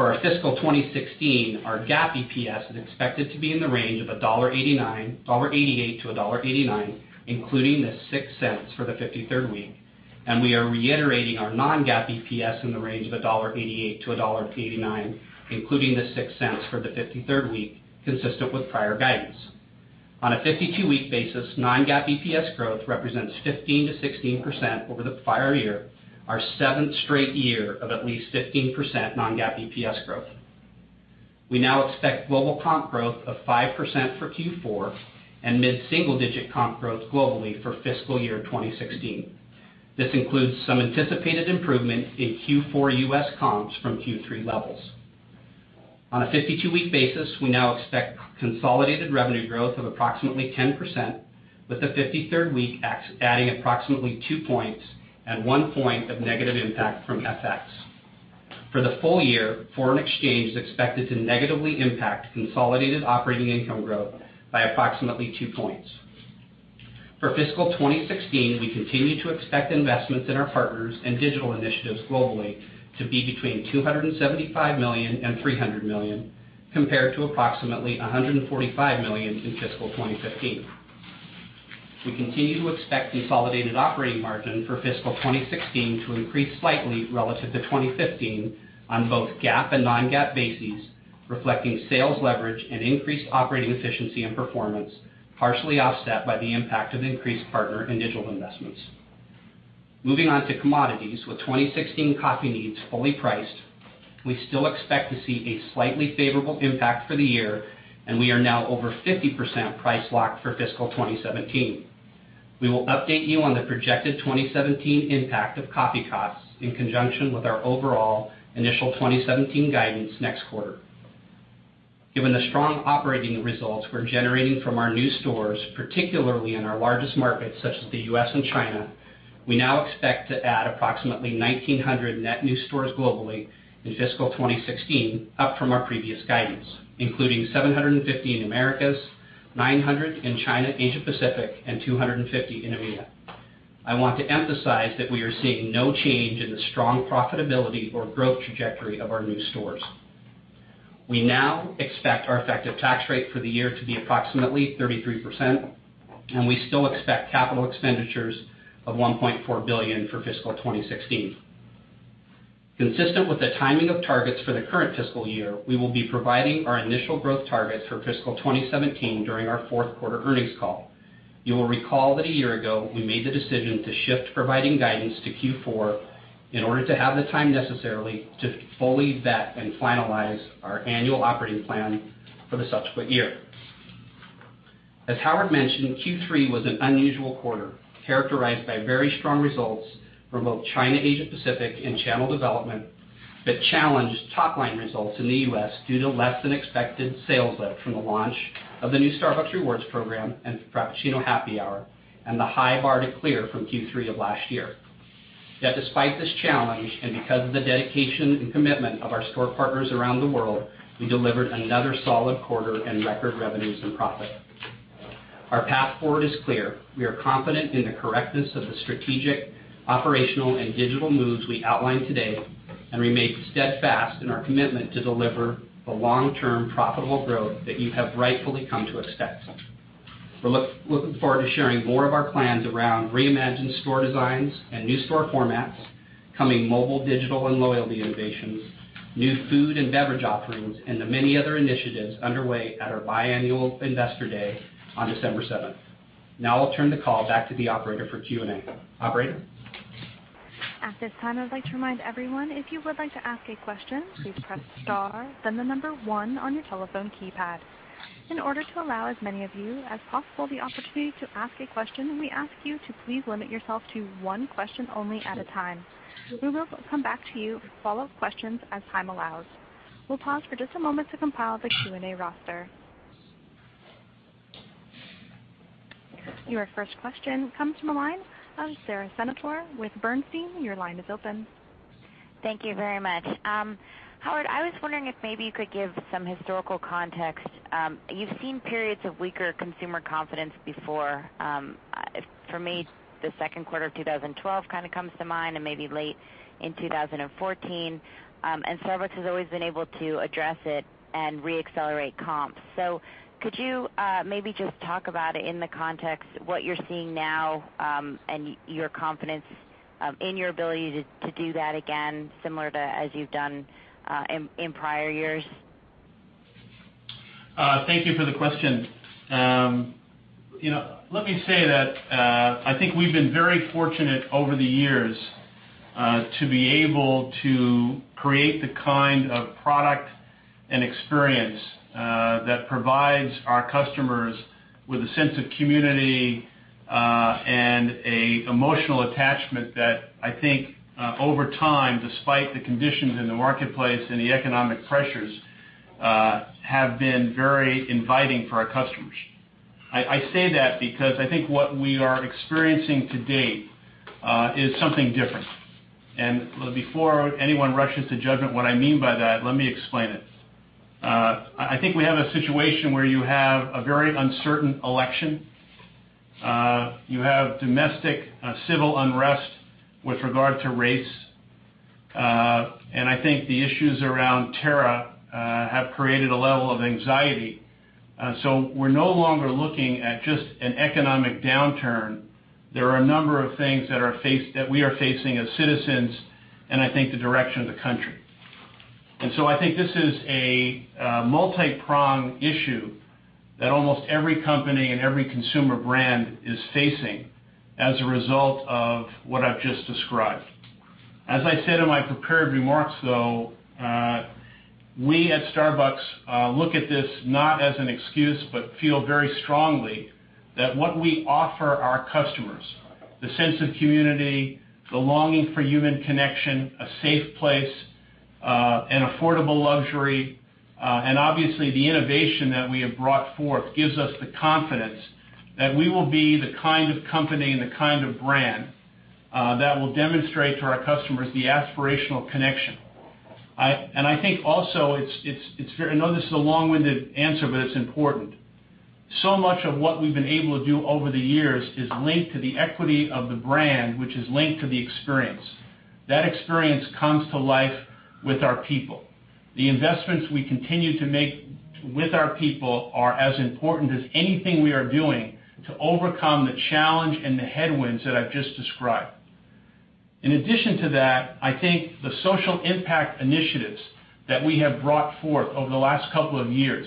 S5: For our fiscal 2016, our GAAP EPS is expected to be in the range of $1.88-$1.89, including the $0.06 for the 53rd week, and we are reiterating our non-GAAP EPS in the range of $1.88-$1.89, including the $0.06 for the 53rd week, consistent with prior guidance. On a 52-week basis, non-GAAP EPS growth represents 15%-16% over the prior year, our seventh straight year of at least 15% non-GAAP EPS growth. We now expect global comp growth of 5% for Q4 and mid-single digit comp growth globally for fiscal year 2016. This includes some anticipated improvement in Q4 U.S. comps from Q3 levels. On a 52-week basis, we now expect consolidated revenue growth of approximately 10%, with the 53rd week adding approximately two points and one point of negative impact from FX. For the full year, foreign exchange is expected to negatively impact consolidated operating income growth by approximately two points. For fiscal 2016, we continue to expect investments in our partners and digital initiatives globally to be between $275 million and $300 million, compared to approximately $145 million in fiscal 2015. We continue to expect consolidated operating margin for fiscal 2016 to increase slightly relative to 2015 on both GAAP and non-GAAP bases, reflecting sales leverage and increased operating efficiency and performance, partially offset by the impact of increased partner and digital investments. Moving on to commodities. With 2016 coffee needs fully priced, we still expect to see a slightly favorable impact for the year, and we are now over 50% price locked for fiscal 2017. We will update you on the projected 2017 impact of coffee costs in conjunction with our overall initial 2017 guidance next quarter. Given the strong operating results we're generating from our new stores, particularly in our largest markets such as the U.S. and China, we now expect to add approximately 1,900 net new stores globally in fiscal 2016, up from our previous guidance, including 750 in Americas, 900 in China, Asia Pacific, and 250 in EMEA. I want to emphasize that we are seeing no change in the strong profitability or growth trajectory of our new stores. We now expect our effective tax rate for the year to be approximately 33%, and we still expect capital expenditures of $1.4 billion for fiscal 2016. Consistent with the timing of targets for the current fiscal year, we will be providing our initial growth targets for fiscal 2017 during our fourth quarter earnings call. You will recall that a year ago, we made the decision to shift providing guidance to Q4 in order to have the time necessarily to fully vet and finalize our annual operating plan for the subsequent year. As Howard mentioned, Q3 was an unusual quarter, characterized by very strong results from both China, Asia Pacific, and channel development, that challenged top-line results in the U.S. due to less than expected sales lift from the launch of the new Starbucks Rewards program and Frappuccino Happy Hour, and the high bar to clear from Q3 of last year. Despite this challenge, and because of the dedication and commitment of our store partners around the world, we delivered another solid quarter and record revenues and profit. Our path forward is clear. We are confident in the correctness of the strategic, operational, and digital moves we outlined today, and remain steadfast in our commitment to deliver the long-term profitable growth that you have rightfully come to expect. We're looking forward to sharing more of our plans around reimagined store designs and new store formats, coming mobile, digital, and loyalty innovations, new food and beverage offerings, and the many other initiatives underway at our biannual Investor Day on December 7th. Now I'll turn the call back to the operator for Q&A. Operator?
S1: At this time, I'd like to remind everyone, if you would like to ask a question, please press star, then the number one on your telephone keypad. In order to allow as many of you as possible the opportunity to ask a question, we ask you to please limit yourself to one question only at a time. We will come back to you with follow-up questions as time allows. We'll pause for just a moment to compile the Q&A roster. Your first question comes from the line of Sara Senatore with Bernstein. Your line is open.
S6: Thank you very much. Howard, I was wondering if maybe you could give some historical context. You've seen periods of weaker consumer confidence before. For me, the second quarter of 2012 kind of comes to mind, and maybe late in 2014. Starbucks has always been able to address it and re-accelerate comps. Could you maybe just talk about it in the context, what you're seeing now, and your confidence in your ability to do that again, similar to as you've done in prior years?
S3: Thank you for the question. Let me say that I think we've been very fortunate over the years to be able to create the kind of product and experience that provides our customers with a sense of community, and a emotional attachment that I think over time, despite the conditions in the marketplace and the economic pressures, have been very inviting for our customers. I say that because I think what we are experiencing to date is something different. Before anyone rushes to judgment what I mean by that, let me explain it. I think we have a situation where you have a very uncertain election. You have domestic civil unrest with regard to race. I think the issues around terror have created a level of anxiety. We're no longer looking at just an economic downturn. There are a number of things that we are facing as citizens, and I think the direction of the country. I think this is a multi-pronged issue that almost every company and every consumer brand is facing as a result of what I've just described. As I said in my prepared remarks, though, we at Starbucks look at this not as an excuse, feel very strongly that what we offer our customers, the sense of community, the longing for human connection, a safe place, an affordable luxury, obviously the innovation that we have brought forth gives us the confidence that we will be the kind of company and the kind of brand that will demonstrate to our customers the aspirational connection. I know this is a long-winded answer, it's important. Much of what we've been able to do over the years is linked to the equity of the brand, which is linked to the experience. That experience comes to life with our people. The investments we continue to make with our people are as important as anything we are doing to overcome the challenge and the headwinds that I've just described. In addition to that, I think the social impact initiatives that we have brought forth over the last couple of years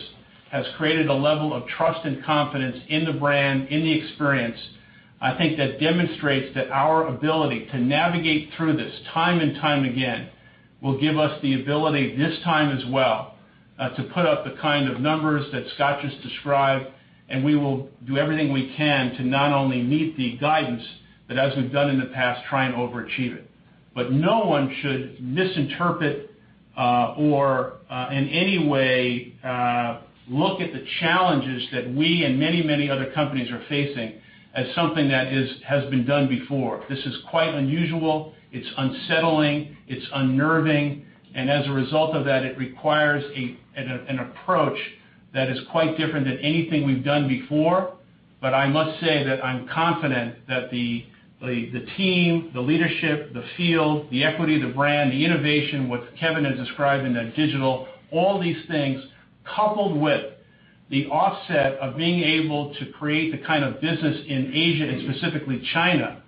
S3: has created a level of trust and confidence in the brand, in the experience, I think that demonstrates that our ability to navigate through this time and time again will give us the ability this time as well to put up the kind of numbers that Scott just described. We will do everything we can to not only meet the guidance, as we've done in the past, try and overachieve it. No one should misinterpret or in any way look at the challenges that we and many, many other companies are facing as something that has been done before. This is quite unusual. It's unsettling, it's unnerving, and as a result of that, it requires an approach that is quite different than anything we've done before. I must say that I'm confident that the team, the leadership, the field, the equity, the brand, the innovation, what Kevin has described in that digital, all these things coupled with the offset of being able to create the kind of business in Asia and specifically China,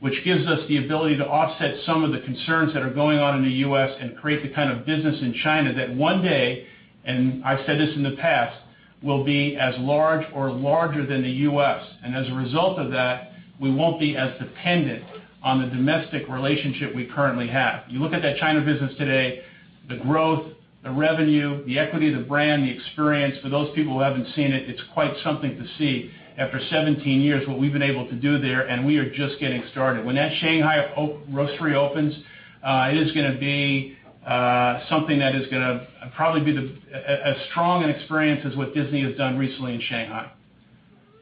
S3: which gives us the ability to offset some of the concerns that are going on in the U.S. and create the kind of business in China that one day, and I've said this in the past, will be as large or larger than the U.S. As a result of that, we won't be as dependent on the domestic relationship we currently have. You look at that China business today, the growth, the revenue, the equity, the brand, the experience. For those people who haven't seen it's quite something to see after 17 years, what we've been able to do there, and we are just getting started. When that Shanghai roastery opens, it is going to be something that is going to probably be as strong an experience as what Disney has done recently in Shanghai.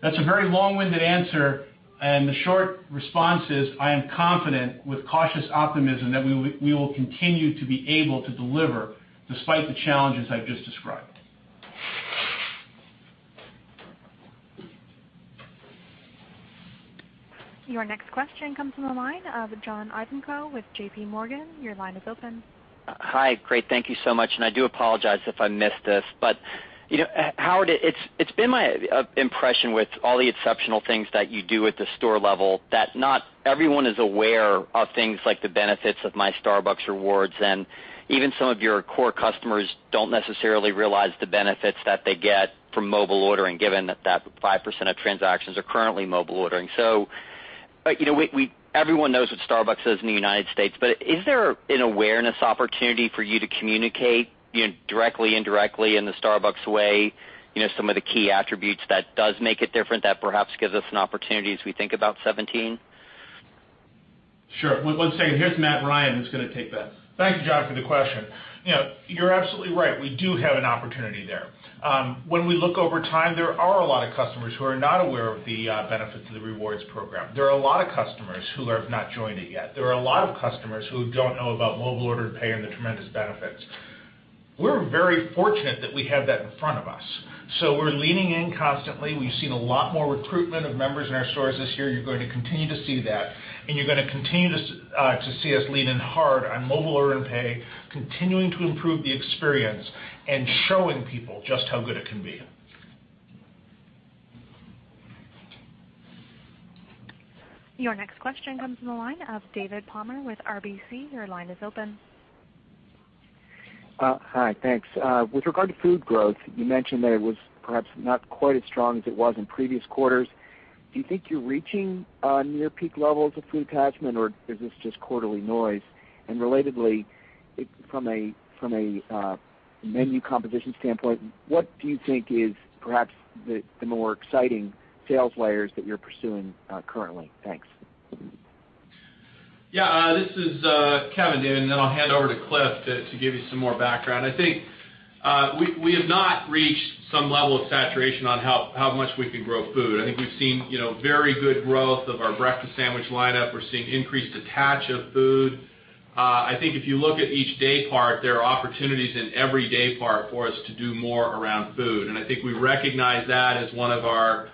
S3: That's a very long-winded answer, the short response is, I am confident with cautious optimism that we will continue to be able to deliver despite the challenges I've just described.
S1: Your next question comes from the line of John Ivankoe with J.P. Morgan. Your line is open.
S7: Hi. Great, thank you so much. I do apologize if I missed this. Howard, it's been my impression with all the exceptional things that you do at the store level, that not everyone is aware of things like the benefits of My Starbucks Rewards, and even some of your core customers don't necessarily realize the benefits that they get from mobile ordering, given that 5% of transactions are currently mobile ordering. Everyone knows what Starbucks is in the United States, is there an awareness opportunity for you to communicate directly, indirectly in the Starbucks way some of the key attributes that does make it different that perhaps gives us an opportunity as we think about 2017?
S3: Sure. One second. Here's Matthew Ryan, who's going to take that.
S8: Thank you, John, for the question. You're absolutely right. We do have an opportunity there. When we look over time, there are a lot of customers who are not aware of the benefits of the rewards program. There are a lot of customers who have not joined it yet. There are a lot of customers who don't know about Mobile Order & Pay and the tremendous benefits. We're very fortunate that we have that in front of us. We're leaning in constantly. We've seen a lot more recruitment of members in our stores this year. You're going to continue to see that. You're going to continue to see us lean in hard on Mobile Order & Pay, continuing to improve the experience and showing people just how good it can be.
S1: Your next question comes from the line of David Palmer with RBC. Your line is open.
S9: Hi, thanks. With regard to food growth, you mentioned that it was perhaps not quite as strong as it was in previous quarters. Do you think you're reaching near peak levels of food attachment, or is this just quarterly noise? Relatedly, from a menu competition standpoint, what do you think is perhaps the more exciting sales layers that you're pursuing currently? Thanks.
S4: Yeah, this is Kevin, David, and then I'll hand over to Cliff to give you some more background. I think we have not reached some level of saturation on how much we can grow food. I think we've seen very good growth of our breakfast sandwich lineup. We're seeing increased attach of food. I think if you look at each day part, there are opportunities in every day part for us to do more around food. I think we recognize that as one of our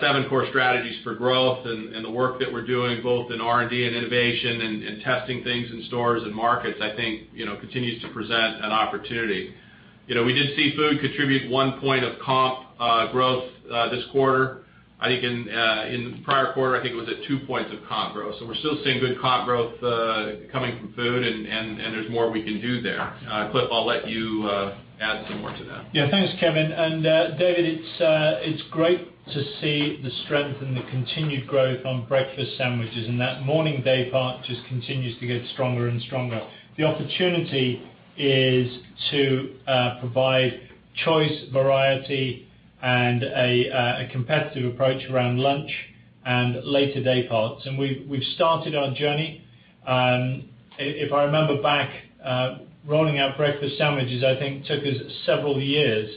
S4: seven core strategies for growth and the work that we're doing both in R&D and innovation and testing things in stores and markets, I think, continues to present an opportunity. We did see food contribute one point of comp growth this quarter. In the prior quarter, I think it was at two points of comp growth. We're still seeing good comp growth coming from food, and there's more we can do there. Cliff, I'll let you add some more to that.
S10: Yeah, thanks, Kevin. And David, it's great to see the strength and the continued growth on breakfast sandwiches, and that morning day part just continues to get stronger and stronger. The opportunity is to provide choice, variety, and a competitive approach around lunch and later day parts. We've started our journey. If I remember back, rolling out breakfast sandwiches I think took us several years.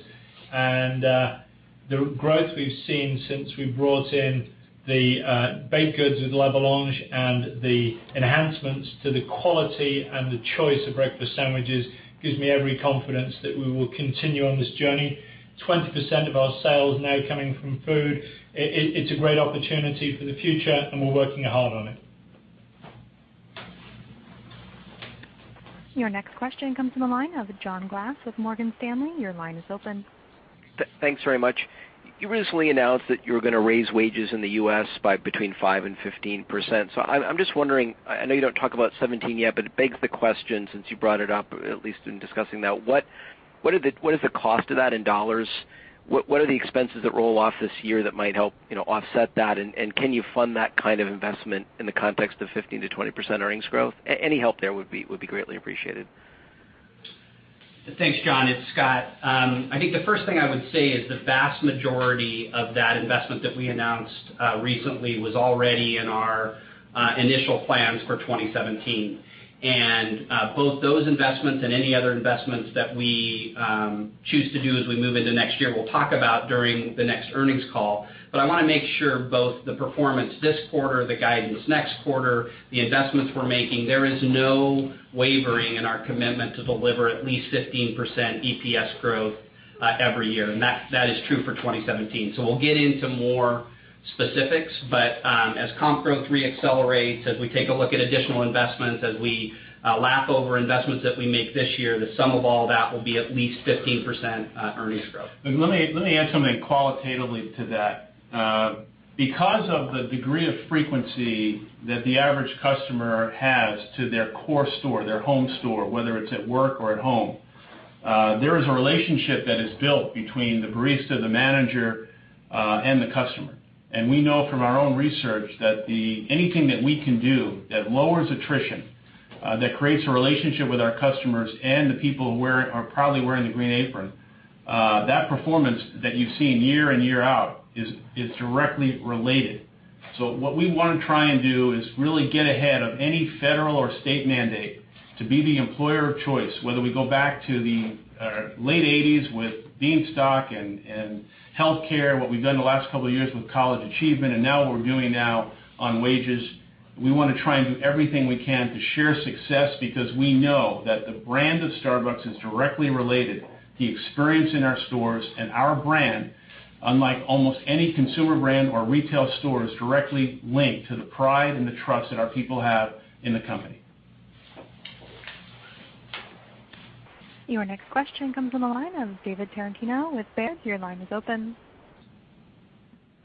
S10: The growth we've seen since we brought in the baked goods with La Boulange and the enhancements to the quality and the choice of breakfast sandwiches gives me every confidence that we will continue on this journey. 20% of our sales now coming from food. It's a great opportunity for the future, and we're working hard on it.
S1: Your next question comes from the line of John Glass with Morgan Stanley. Your line is open.
S11: Thanks very much. You recently announced that you were going to raise wages in the U.S. by between 5% and 15%. I'm just wondering, I know you don't talk about 2017 yet, but it begs the question, since you brought it up, at least in discussing that, what is the cost of that in dollars? What are the expenses that roll off this year that might help offset that? Can you fund that kind of investment in the context of 15%-20% earnings growth? Any help there would be greatly appreciated.
S5: Thanks, John. It's Scott. I think the first thing I would say is the vast majority of that investment that we announced recently was already in our initial plans for 2017. Both those investments and any other investments that we choose to do as we move into next year, we'll talk about during the next earnings call. I want to make sure both the performance this quarter, the guidance next quarter, the investments we're making, there is no wavering in our commitment to deliver at least 15% EPS growth Every year, that is true for 2017. We'll get into more specifics, but as comp growth re-accelerates, as we take a look at additional investments, as we lap over investments that we make this year, the sum of all that will be at least 15% earnings growth.
S3: Let me add something qualitatively to that. Because of the degree of frequency that the average customer has to their core store, their home store, whether it's at work or at home, there is a relationship that is built between the barista, the manager, and the customer. We know from our own research that anything that we can do that lowers attrition, that creates a relationship with our customers and the people who are proudly wearing the green apron, that performance that you've seen year in, year out, is directly related. What we want to try and do is really get ahead of any federal or state mandate to be the employer of choice, whether we go back to the late '80s with Bean Stock and healthcare, what we've done the last couple of years with College Achievement, and now what we're doing now on wages. We want to try and do everything we can to share success because we know that the brand of Starbucks is directly related to the experience in our stores, and our brand, unlike almost any consumer brand or retail store, is directly linked to the pride and the trust that our people have in the company.
S1: Your next question comes on the line of David Tarantino with Baird. Your line is open.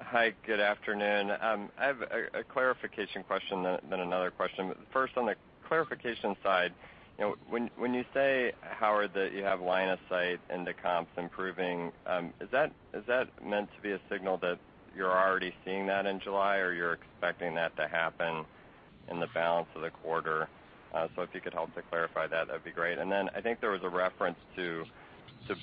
S12: Hi, good afternoon. I have a clarification question, then another question. First, on the clarification side, when you say, Howard, that you have line of sight into comps improving, is that meant to be a signal that you're already seeing that in July, or you're expecting that to happen in the balance of the quarter? If you could help to clarify that'd be great. I think there was a reference to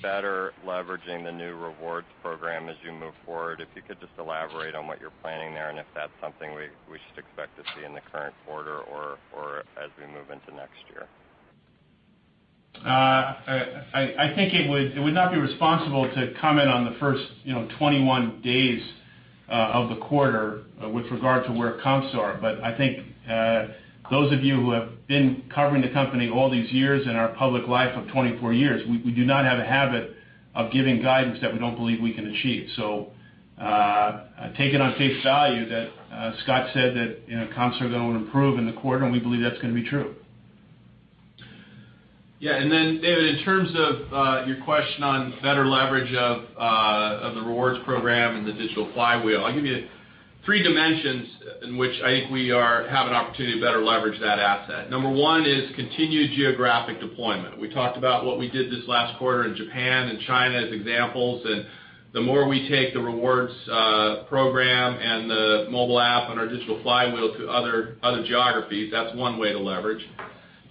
S12: better leveraging the new rewards program as you move forward. If you could just elaborate on what you're planning there, and if that's something we should expect to see in the current quarter or as we move into next year.
S3: I think it would not be responsible to comment on the first 21 days of the quarter with regard to where comps are. I think those of you who have been covering the company all these years in our public life of 24 years, we do not have a habit of giving guidance that we don't believe we can achieve. Take it on face value that Scott said that comps are going to improve in the quarter, and we believe that's going to be true.
S4: Yeah. David, in terms of your question on better leverage of the rewards program and the digital flywheel, I'll give you three dimensions in which I think we have an opportunity to better leverage that asset. Number 1 is continued geographic deployment. We talked about what we did this last quarter in Japan and China as examples, and the more we take the rewards program and the mobile app and our digital flywheel to other geographies, that's one way to leverage.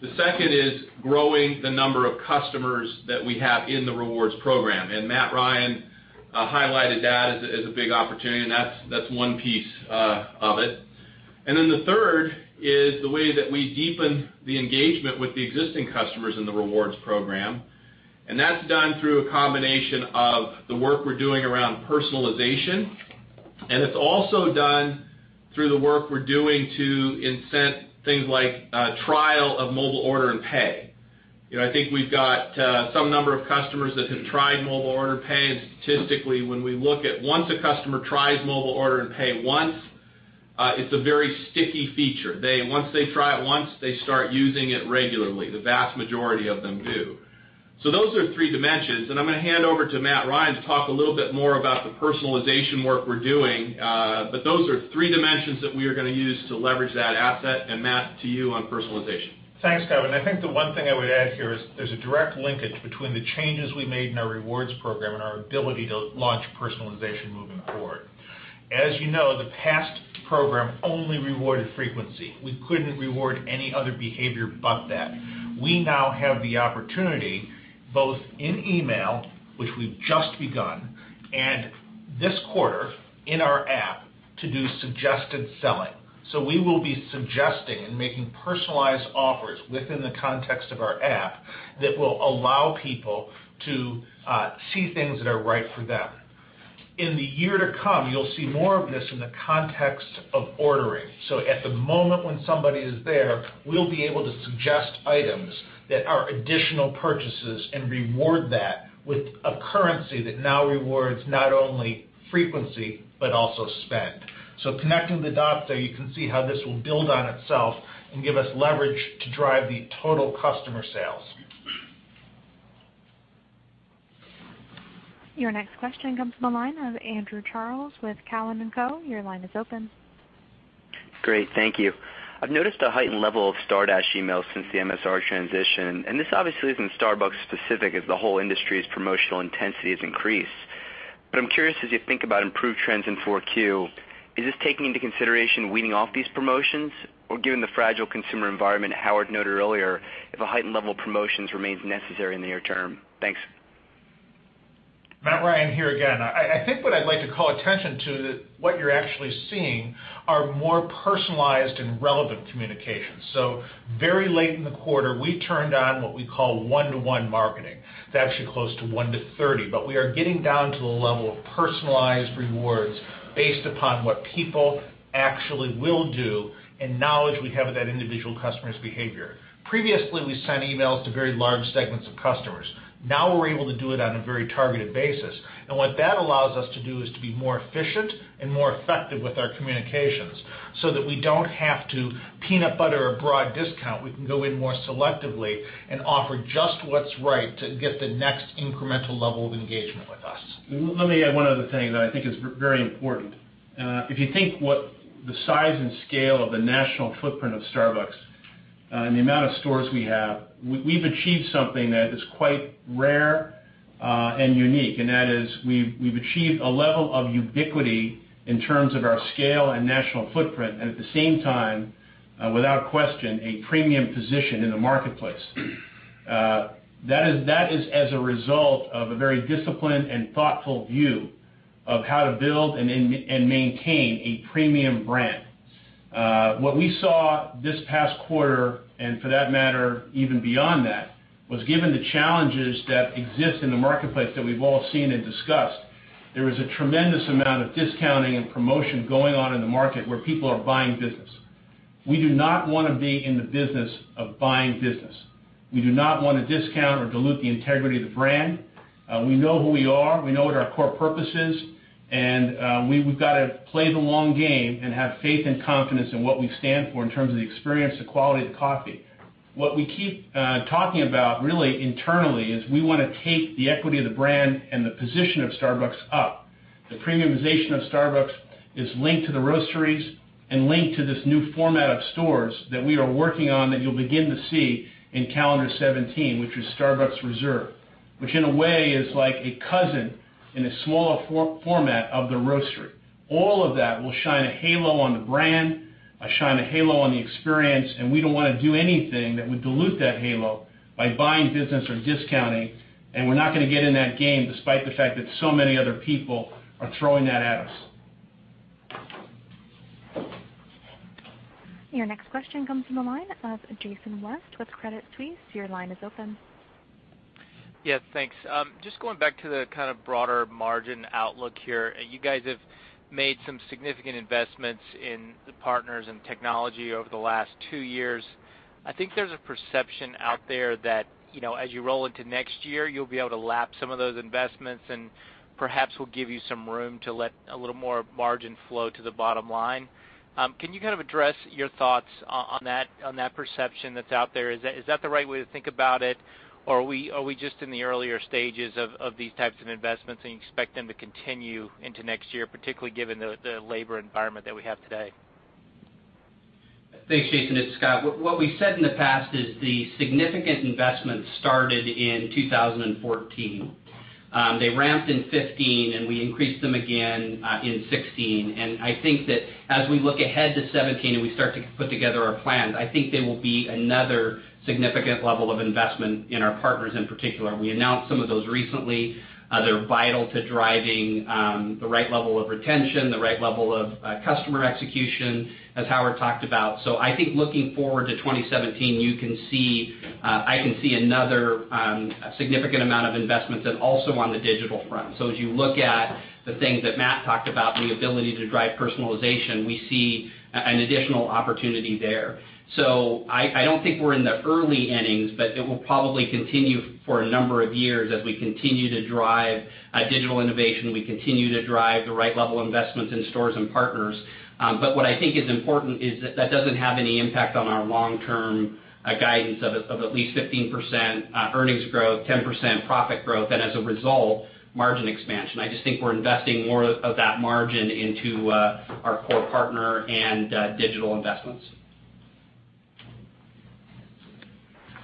S4: The second is growing the number of customers that we have in the rewards program, and Matthew Ryan highlighted that as a big opportunity, and that's one piece of it. The third is the way that we deepen the engagement with the existing customers in the rewards program, and that's done through a combination of the work we're doing around personalization, and it's also done through the work we're doing to incent things like trial of Mobile Order & Pay. I think we've got some number of customers that have tried Mobile Order & Pay, and statistically, when we look at once a customer tries Mobile Order & Pay once, it's a very sticky feature. Once they try it once, they start using it regularly. The vast majority of them do. Those are three dimensions, and I'm going to hand over to Matthew Ryan to talk a little bit more about the personalization work we're doing. Those are three dimensions that we are going to use to leverage that asset, and Matt, to you on personalization.
S8: Thanks, Kevin. I think the one thing I would add here is there's a direct linkage between the changes we made in our rewards program and our ability to launch personalization moving forward. As you know, the past program only rewarded frequency. We couldn't reward any other behavior but that. We now have the opportunity, both in email, which we've just begun, and this quarter in our app, to do suggested selling. We will be suggesting and making personalized offers within the context of our app that will allow people to see things that are right for them. In the year to come, you'll see more of this in the context of ordering. At the moment when somebody is there, we'll be able to suggest items that are additional purchases and reward that with a currency that now rewards not only frequency, but also spend.
S3: Connecting the dots there, you can see how this will build on itself and give us leverage to drive the total customer sales.
S1: Your next question comes from the line of Andrew Charles with Cowen and Co. Your line is open.
S13: Great. Thank you. I've noticed a heightened level of Star Dash emails since the MSR transition, and this obviously isn't Starbucks specific as the whole industry's promotional intensity has increased. I'm curious, as you think about improved trends in 4Q, is this taking into consideration weaning off these promotions, or given the fragile consumer environment Howard noted earlier, if a heightened level of promotions remains necessary in the near term? Thanks.
S8: Matt Ryan here again. I think what I'd like to call attention to, what you're actually seeing are more personalized and relevant communications. Very late in the quarter, we turned on what we call one-to-one marketing. It's actually close to one-to 30. We are getting down to the level of personalized rewards based upon what people actually will do and knowledge we have of that individual customer's behavior. Previously, we sent emails to very large segments of customers. Now we're able to do it on a very targeted basis, what that allows us to do is to be more efficient and more effective with our communications so that we don't have to peanut butter a broad discount. We can go in more selectively and offer just what's right to get the next incremental level of engagement with us.
S3: Let me add one other thing that I think is very important. If you think what the size and scale of the national footprint of Starbucks and the amount of stores we have, we've achieved something that is quite rare and unique, and that is we've achieved a level of ubiquity in terms of our scale and national footprint, and at the same time, without question, a premium position in the marketplace. That is as a result of a very disciplined and thoughtful view of how to build and maintain a premium brand. What we saw this past quarter, and for that matter, even beyond that, was given the challenges that exist in the marketplace that we've all seen and discussed, there was a tremendous amount of discounting and promotion going on in the market where people are buying business. We do not want to be in the business of buying business. We do not want to discount or dilute the integrity of the brand. We know who we are. We know what our core purpose is. We've got to play the long game and have faith and confidence in what we stand for in terms of the experience, the quality of the coffee. What we keep talking about really internally is we want to take the equity of the brand and the position of Starbucks up. The premiumization of Starbucks is linked to the roasteries and linked to this new format of stores that we are working on that you'll begin to see in calendar 2017, which is Starbucks Reserve. Which in a way is like a cousin in a smaller format of the roastery. All of that will shine a halo on the brand, shine a halo on the experience, and we don't want to do anything that would dilute that halo by buying business or discounting, and we're not going to get in that game despite the fact that so many other people are throwing that at us.
S1: Your next question comes from the line of Jason West with Credit Suisse. Your line is open.
S14: Yes, thanks. Just going back to the kind of broader margin outlook here. You guys have made some significant investments in the partners and technology over the last two years. I think there's a perception out there that as you roll into next year, you'll be able to lap some of those investments and perhaps will give you some room to let a little more margin flow to the bottom line. Can you kind of address your thoughts on that perception that's out there? Is that the right way to think about it? Or are we just in the earlier stages of these types of investments, and you expect them to continue into next year, particularly given the labor environment that we have today?
S5: Thanks, Jason. It's Scott. What we said in the past is the significant investments started in 2014. They ramped in 2015, and we increased them again in 2016. I think that as we look ahead to 2017 and we start to put together our plans, I think there will be another significant level of investment in our partners in particular. We announced some of those recently. They're vital to driving the right level of retention, the right level of customer execution, as Howard talked about. I think looking forward to 2017, I can see another significant amount of investment that also on the digital front. As you look at the things that Matt talked about, the ability to drive personalization, we see an additional opportunity there. I don't think we're in the early innings, but it will probably continue for a number of years as we continue to drive digital innovation, we continue to drive the right level investments in stores and partners. What I think is important is that doesn't have any impact on our long-term guidance of at least 15% earnings growth, 10% profit growth, and as a result, margin expansion. I just think we're investing more of that margin into our core partner and digital investments.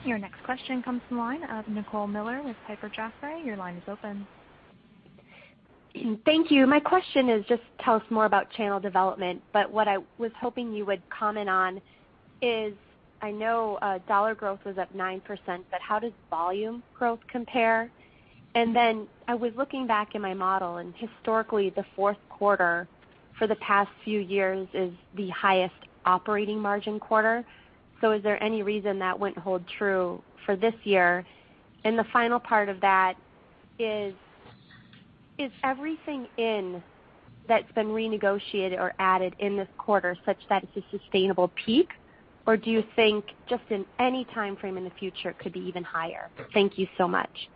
S1: Your next question comes from the line of Nicole Miller with Piper Jaffray. Your line is open.
S15: Thank you. My question is just tell us more about channel development, what I was hoping you would comment on is, I know dollar growth was up 9%, how does volume growth compare? I was looking back in my model, and historically, the fourth quarter for the past few years is the highest operating margin quarter. Is there any reason that wouldn't hold true for this year? The final part of that is everything in that's been renegotiated or added in this quarter such that it's a sustainable peak, or do you think just in any time frame in the future could be even higher? Thank you so much.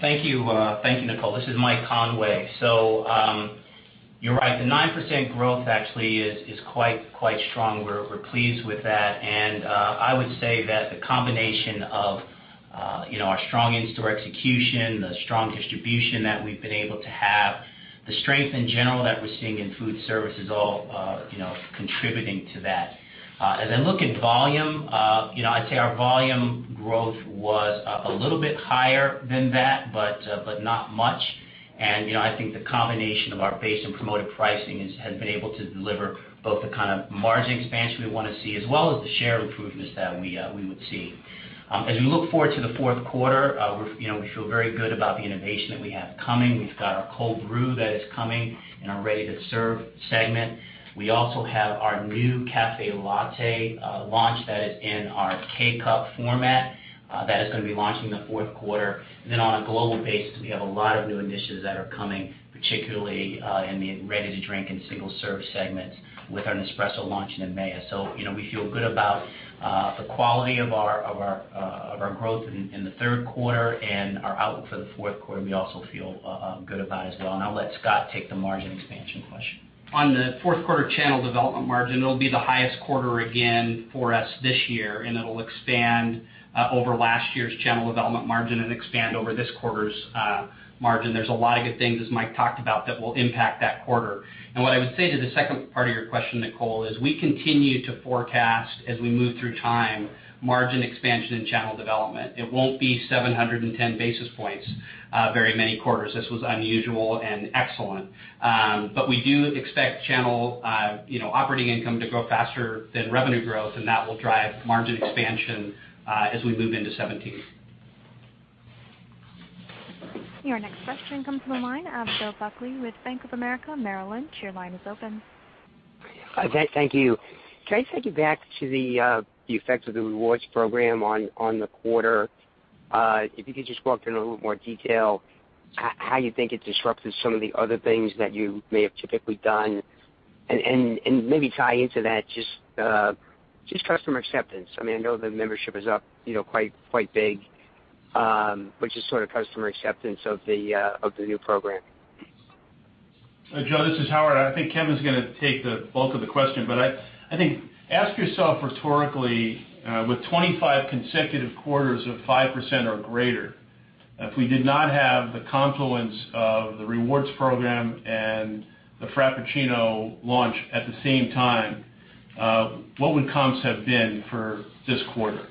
S16: Thank you, Nicole. This is Mike Conway. You're right. The 9% growth actually is quite strong. We're pleased with that, I would say that the combination of our strong in-store execution, the strong distribution that we've been able to have, the strength in general that we're seeing in food service is all contributing to that. I'd say our volume growth was a little bit higher than that, but not much. I think the combination of our base and promoted pricing has been able to deliver both the kind of margin expansion we want to see as well as the share improvements that we would see. As we look forward to the fourth quarter, we feel very good about the innovation that we have coming. We've got our Cold Brew that is coming in our ready-to-serve segment. We also have our new Caffè Latte launch that is in our K-Cup format that is going to be launching in the fourth quarter. On a global basis, we have a lot of new initiatives that are coming, particularly in the ready-to-drink and single-serve segments with our Nespresso launch in May. We feel good about the quality of our growth in the third quarter, and our outlook for the fourth quarter we also feel good about as well. I'll let Scott take the margin expansion question.
S5: On the fourth quarter channel development margin, it'll be the highest quarter again for us this year, and it'll expand over last year's channel development margin and expand over this quarter's margin. There's a lot of good things, as Mike talked about, that will impact that quarter. What I would say to the second part of your question, Nicole, is we continue to forecast, as we move through time, margin expansion and channel development. It won't be 710 basis points very many quarters. This was unusual and excellent. We do expect channel operating income to grow faster than revenue growth, and that will drive margin expansion as we move into 2017.
S1: Your next question comes from the line of Joe Buckley with Bank of America Merrill Lynch. Your line is open.
S17: Hi. Thank you. Can I take you back to the effects of the Starbucks Rewards program on the quarter? If you could just go up in a little more detail, how you think it disrupted some of the other things that you may have typically done, and maybe tie into that just customer acceptance. I know the membership is up quite big, but just customer acceptance of the new program.
S3: Joe, this is Howard. I think Kevin's going to take the bulk of the question. I think, ask yourself rhetorically, with 25 consecutive quarters of 5% or greater, if we did not have the confluence of the Starbucks Rewards program and the Frappuccino launch at the same time, what would comps have been for this quarter?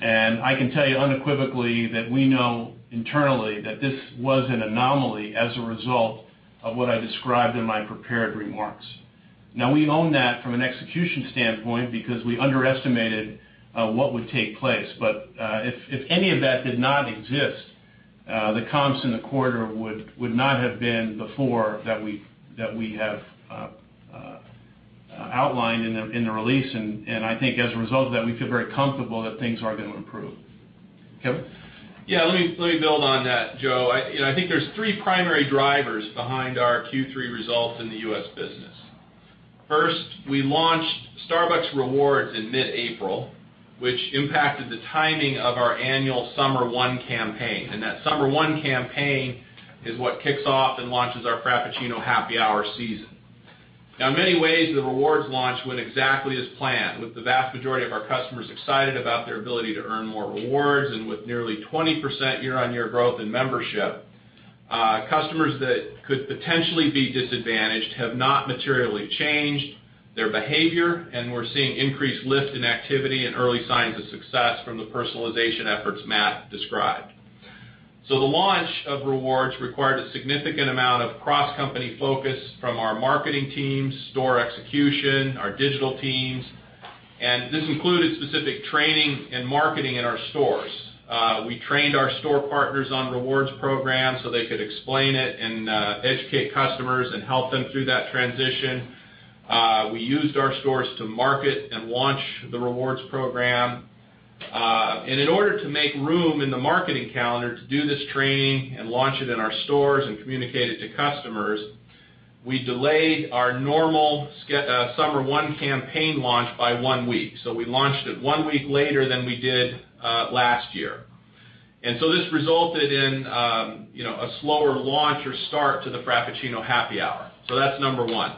S3: I can tell you unequivocally that we know internally that this was an anomaly as a result of what I described in my prepared remarks. We own that from an execution standpoint because we underestimated what would take place. If any of that did not exist, the comps in the quarter would not have been before that we have outlined in the release. I think as a result of that, we feel very comfortable that things are going to improve. Kevin?
S4: Yeah, let me build on that, Joe. I think there's three primary drivers behind our Q3 results in the U.S. business. First, we launched Starbucks Rewards in mid-April, which impacted the timing of our annual Summer One campaign. That Summer One campaign is what kicks off and launches our Frappuccino Happy Hour season. In many ways, the Starbucks Rewards launch went exactly as planned, with the vast majority of our customers excited about their ability to earn more rewards, with nearly 20% year-on-year growth in membership. Customers that could potentially be disadvantaged have not materially changed their behavior. We're seeing increased lift in activity and early signs of success from the personalization efforts Matt described. The launch of Starbucks Rewards required a significant amount of cross-company focus from our marketing teams, store execution, our digital teams. This included specific training and marketing in our stores. We trained our store partners on Starbucks Rewards program, so they could explain it and educate customers and help them through that transition. We used our stores to market and launch the Starbucks Rewards program. In order to make room in the marketing calendar to do this training and launch it in our stores and communicate it to customers, we delayed our normal Summer One campaign launch by one week. We launched it one week later than we did last year. This resulted in a slower launch or start to the Frappuccino Happy Hour. That's number 1.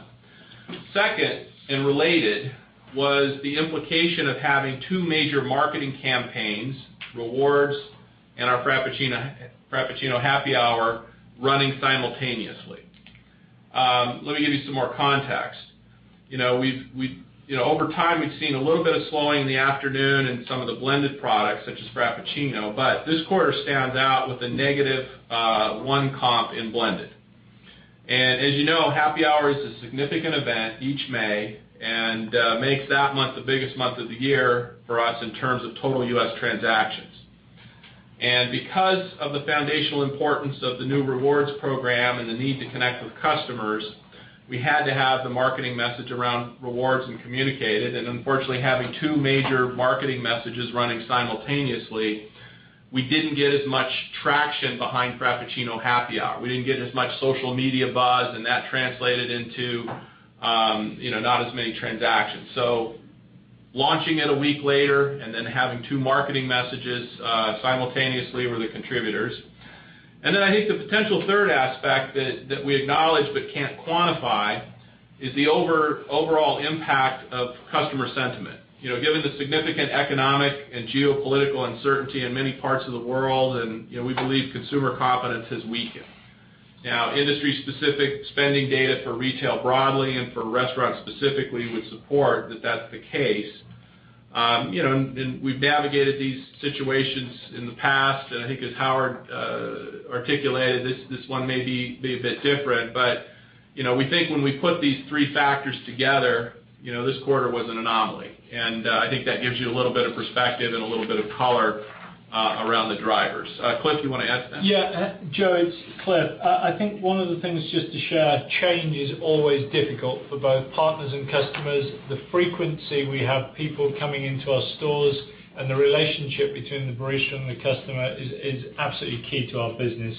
S4: Second, related, was the implication of having two major marketing campaigns, Starbucks Rewards and our Frappuccino Happy Hour, running simultaneously. Let me give you some more context. Over time, we've seen a little bit of slowing in the afternoon in some of the blended products, such as Frappuccino, but this quarter stands out with a negative one comp in blended. As you know, Frappuccino Happy Hour is a significant event each May and makes that month the biggest month of the year for us in terms of total U.S. transactions. Because of the foundational importance of the new rewards program and the need to connect with customers, we had to have the marketing message around rewards and communicate it, unfortunately, having two major marketing messages running simultaneously, we didn't get as much traction behind Frappuccino Happy Hour. We didn't get as much social media buzz. That translated into not as many transactions. Launching it a week later and then having two marketing messages simultaneously were the contributors. Then I think the potential third aspect that we acknowledge but can't quantify is the overall impact of customer sentiment. Given the significant economic and geopolitical uncertainty in many parts of the world, and we believe consumer confidence has weakened. Now, industry-specific spending data for retail broadly and for restaurants specifically would support that that's the case. We've navigated these situations in the past, and I think as Howard articulated, this one may be a bit different, but we think when we put these three factors together, this quarter was an anomaly. I think that gives you a little bit of perspective and a little bit of color around the drivers. Cliff, you want to add to that?
S10: Yeah, Joe, it's Cliff. I think one of the things just to share, change is always difficult for both partners and customers. The frequency we have people coming into our stores and the relationship between the barista and the customer is absolutely key to our business.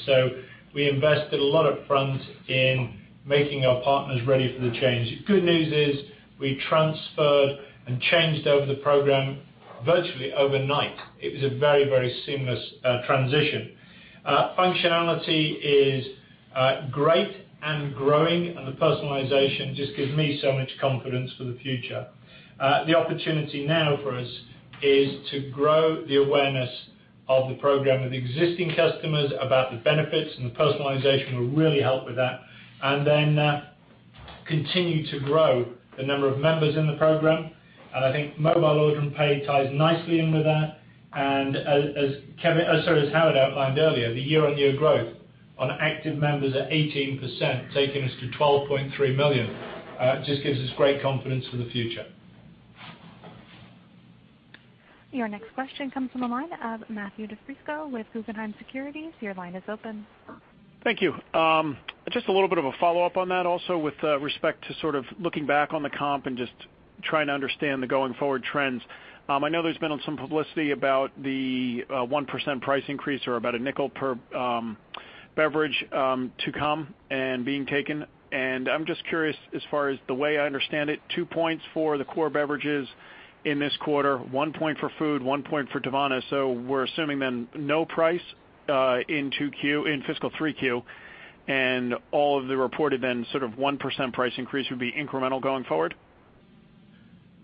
S10: We invested a lot up front in making our partners ready for the change. The good news is we transferred and changed over the program virtually overnight. It was a very seamless transition. Functionality is great and growing. The personalization just gives me so much confidence for the future. The opportunity now for us is to grow the awareness of the program with existing customers about the benefits. The personalization will really help with that. Continue to grow the number of members in the program. I think Mobile Order & Pay ties nicely in with that. As Howard outlined earlier, the year-on-year growth on active members at 18%, taking us to 12.3 million, just gives us great confidence for the future.
S1: Your next question comes from the line of Matthew DiFrisco with Guggenheim Securities. Your line is open.
S18: Thank you. Just a little bit of a follow-up on that. Also, with respect to sort of looking back on the comp and just trying to understand the going forward trends. I know there's been some publicity about the 1% price increase or about a nickel per beverage to come and being taken, and I'm just curious, as far as the way I understand it, two points for the core beverages in this quarter, one point for food, one point for Teavana. We're assuming then no price in fiscal 3Q, and all of the reported then, sort of 1% price increase would be incremental going forward?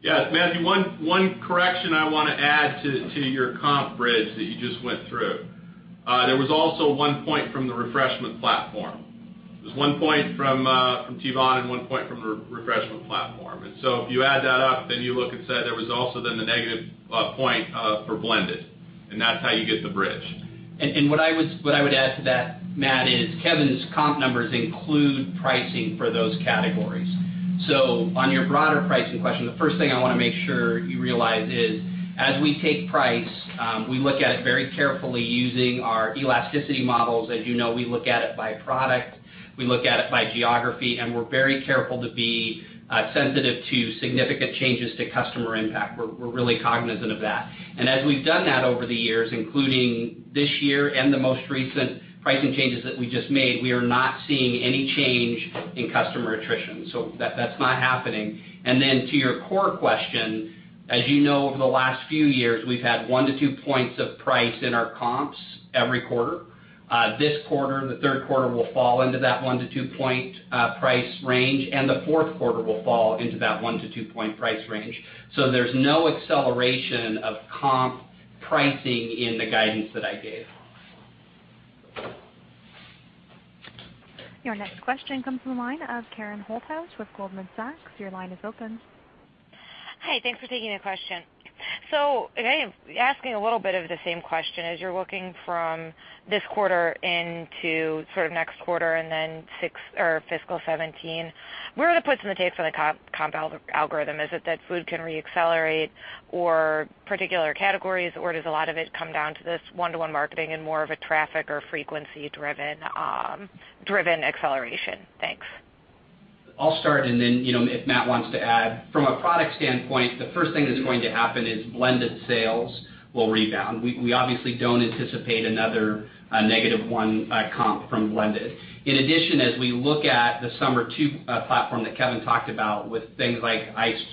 S4: Yes, Matthew, one correction I want to add to your comp bridge that you just went through. There was also one point from the refreshment platform. There's one point from Teavana and one point from the refreshment platform. If you add that up, then you look and say there was also then the negative point for blended, and that's how you get the bridge.
S5: What I would add to that, Matt, is Kevin's comp numbers include pricing for those categories. On your broader pricing question, the first thing I want to make sure you realize is as we take price, we look at it very carefully using our elasticity models. As you know, we look at it by product, we look at it by geography, and we're very careful to be sensitive to significant changes to customer impact. We're really cognizant of that. As we've done that over the years, including this year and the most recent pricing changes that we just made, we are not seeing any change in customer attrition. That's not happening. To your core question, as you know, over the last few years, we've had one to two points of price in our comps every quarter. This quarter, the third quarter, will fall into that one- to two-point price range, and the fourth quarter will fall into that one- to two-point price range. There's no acceleration of comp pricing in the guidance that I gave.
S1: Your next question comes from the line of Karen Holthouse with Goldman Sachs. Your line is open.
S19: Hi, thanks for taking the question. Asking a little bit of the same question, as you're looking from this quarter into next quarter and then fiscal 2017, where are the puts and the takes for the comp algorithm? Is it that food can re-accelerate or particular categories, or does a lot of it come down to this one-to-one marketing and more of a traffic or frequency-driven acceleration? Thanks.
S5: I'll start, and then if Matt wants to add. From a product standpoint, the first thing that's going to happen is blended sales will rebound. We obviously don't anticipate another negative 1 comp from blended. In addition, as we look at the Summer Two platform that Kevin talked about with things like Iced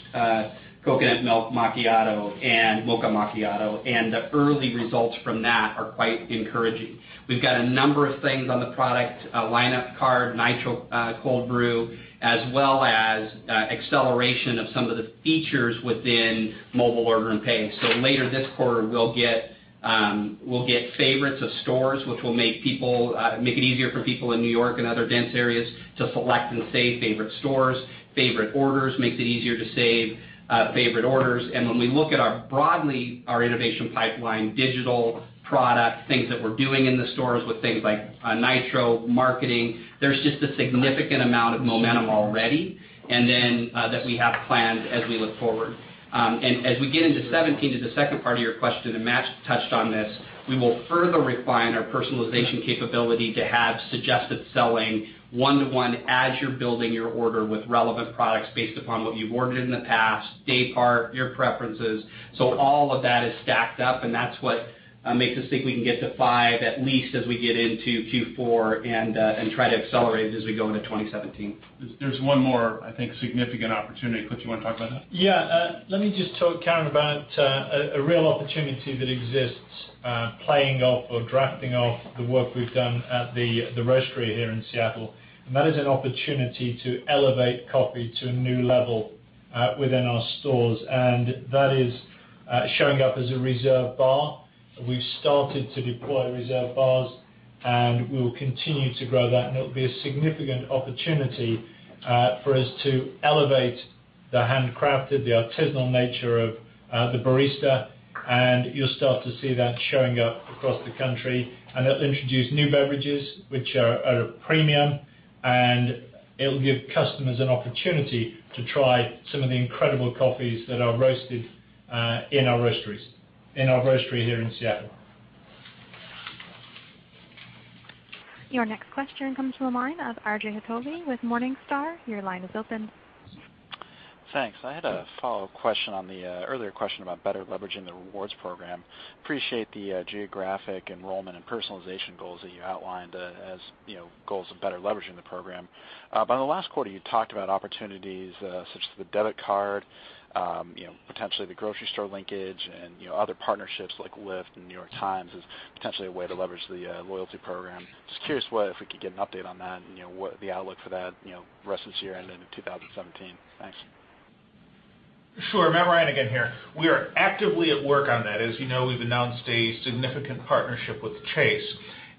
S5: Coconut Milk Macchiato and Mocha Macchiato, and the early results from that are quite encouraging. We've got a number of things on the product lineup card, Nitro Cold Brew, as well as acceleration of some of the features within Mobile Order & Pay. Later this quarter, we'll get favorites of stores, which will make it easier for people in New York and other dense areas to select and save favorite stores. Favorite orders makes it easier to save favorite orders. When we look at broadly our innovation pipeline, digital product, things that we're doing in the stores with things like Nitro marketing, there's just a significant amount of momentum already, that we have planned as we look forward. As we get into 2017, to the second part of your question, Matt touched on this, we will further refine our personalization capability to have suggested selling one-to-one as you're building your order with relevant products based upon what you've ordered in the past, daypart, your preferences. All of that is stacked up, and that's what makes us think we can get to five at least as we get into Q4 and try to accelerate as we go into 2017.
S4: There's one more, I think, significant opportunity. Cliff, you want to talk about that?
S10: Let me just talk, Karen, about a real opportunity that exists, playing off or drafting off the work we've done at the Roastery here in Seattle, that is an opportunity to elevate coffee to a new level within our stores, that is showing up as a Reserve bar. We've started to deploy Reserve bars, we will continue to grow that, it'll be a significant opportunity for us to elevate the handcrafted, the artisanal nature of the barista, you'll start to see that showing up across the country. It'll introduce new beverages, which are premium, it'll give customers an opportunity to try some of the incredible coffees that are roasted in our Roastery here in Seattle.
S1: Your next question comes from the line of RJ Hottovy with Morningstar. Your line is open.
S20: Thanks. I had a follow-up question on the earlier question about better leveraging the rewards program. Appreciate the geographic enrollment and personalization goals that you outlined as goals of better leveraging the program. In the last quarter, you talked about opportunities such as the debit card, potentially the grocery store linkage, and other partnerships like Lyft and The New York Times as potentially a way to leverage the loyalty program. Just curious if we could get an update on that and the outlook for that the rest of this year and into 2017. Thanks.
S8: Sure. Matthew Ryan again here. We are actively at work on that. As you know, we've announced a significant partnership with Chase,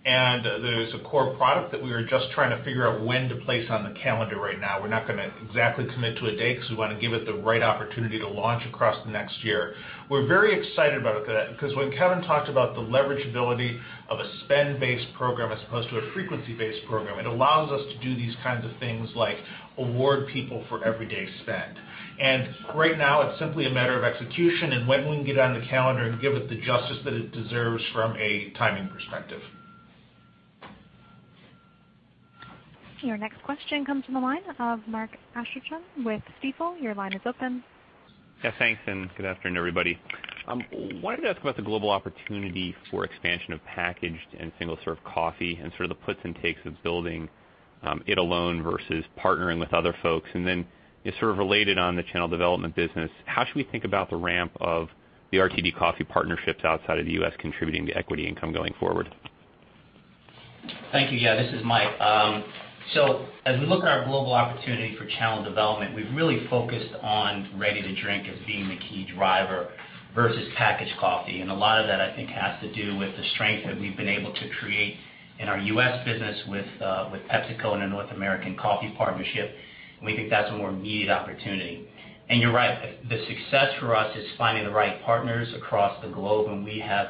S8: and there's a core product that we are just trying to figure out when to place on the calendar right now. We're not going to exactly commit to a date because we want to give it the right opportunity to launch across the next year. We're very excited about that because when Kevin talked about the leverageability of a spend-based program as opposed to a frequency-based program, it allows us to do these kinds of things like award people for everyday spend. Right now, it's simply a matter of execution and when we can get it on the calendar and give it the justice that it deserves from a timing perspective.
S1: Your next question comes from the line of Mark Astrachan with Stifel. Your line is open.
S21: Yeah, thanks, and good afternoon, everybody. Wanted to ask about the global opportunity for expansion of packaged and single-serve coffee and sort of the puts and takes of building it alone versus partnering with other folks. Then, sort of related on the channel development business, how should we think about the ramp of the RTD coffee partnerships outside of the U.S. contributing to equity income going forward?
S16: Thank you. This is Mike. As we look at our global opportunity for channel development, we've really focused on ready-to-drink as being the key driver versus packaged coffee. A lot of that, I think, has to do with the strength that we've been able to create in our U.S. business with PepsiCo and the North American Coffee Partnership. We think that's a more immediate opportunity. You're right. The success for us is finding the right partners across the globe, and we have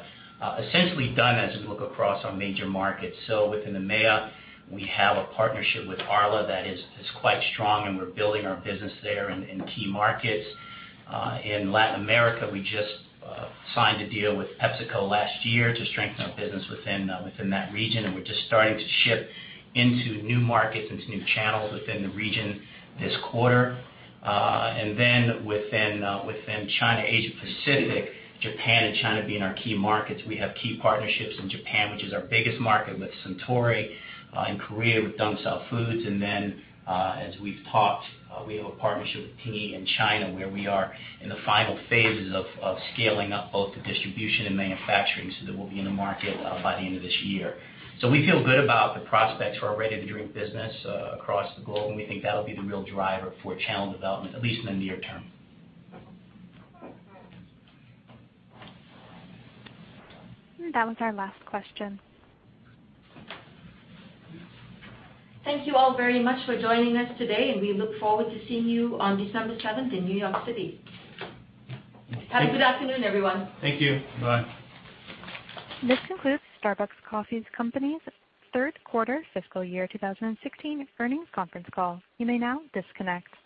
S16: essentially done that as we look across our major markets. Within the EMEA, we have a partnership with Arla that is quite strong, and we're building our business there in key markets. In Latin America, we just signed a deal with PepsiCo last year to strengthen our business within that region, and we're just starting to ship into new markets, into new channels within the region this quarter. Within China, Asia Pacific, Japan and China being our key markets, we have key partnerships in Japan, which is our biggest market, with Suntory, in Korea with Dongsuh Foods, and then, as we've talked, we have a partnership with Tingyi in China, where we are in the final phases of scaling up both the distribution and manufacturing so that we'll be in the market by the end of this year. We feel good about the prospects for our ready-to-drink business across the globe, and we think that'll be the real driver for channel development, at least in the near term.
S1: That was our last question.
S2: Thank you all very much for joining us today, and we look forward to seeing you on December 7th in New York City. Have a good afternoon, everyone.
S8: Thank you.
S10: Bye.
S1: This concludes Starbucks Coffee Company's third quarter fiscal year 2016 earnings conference call. You may now disconnect.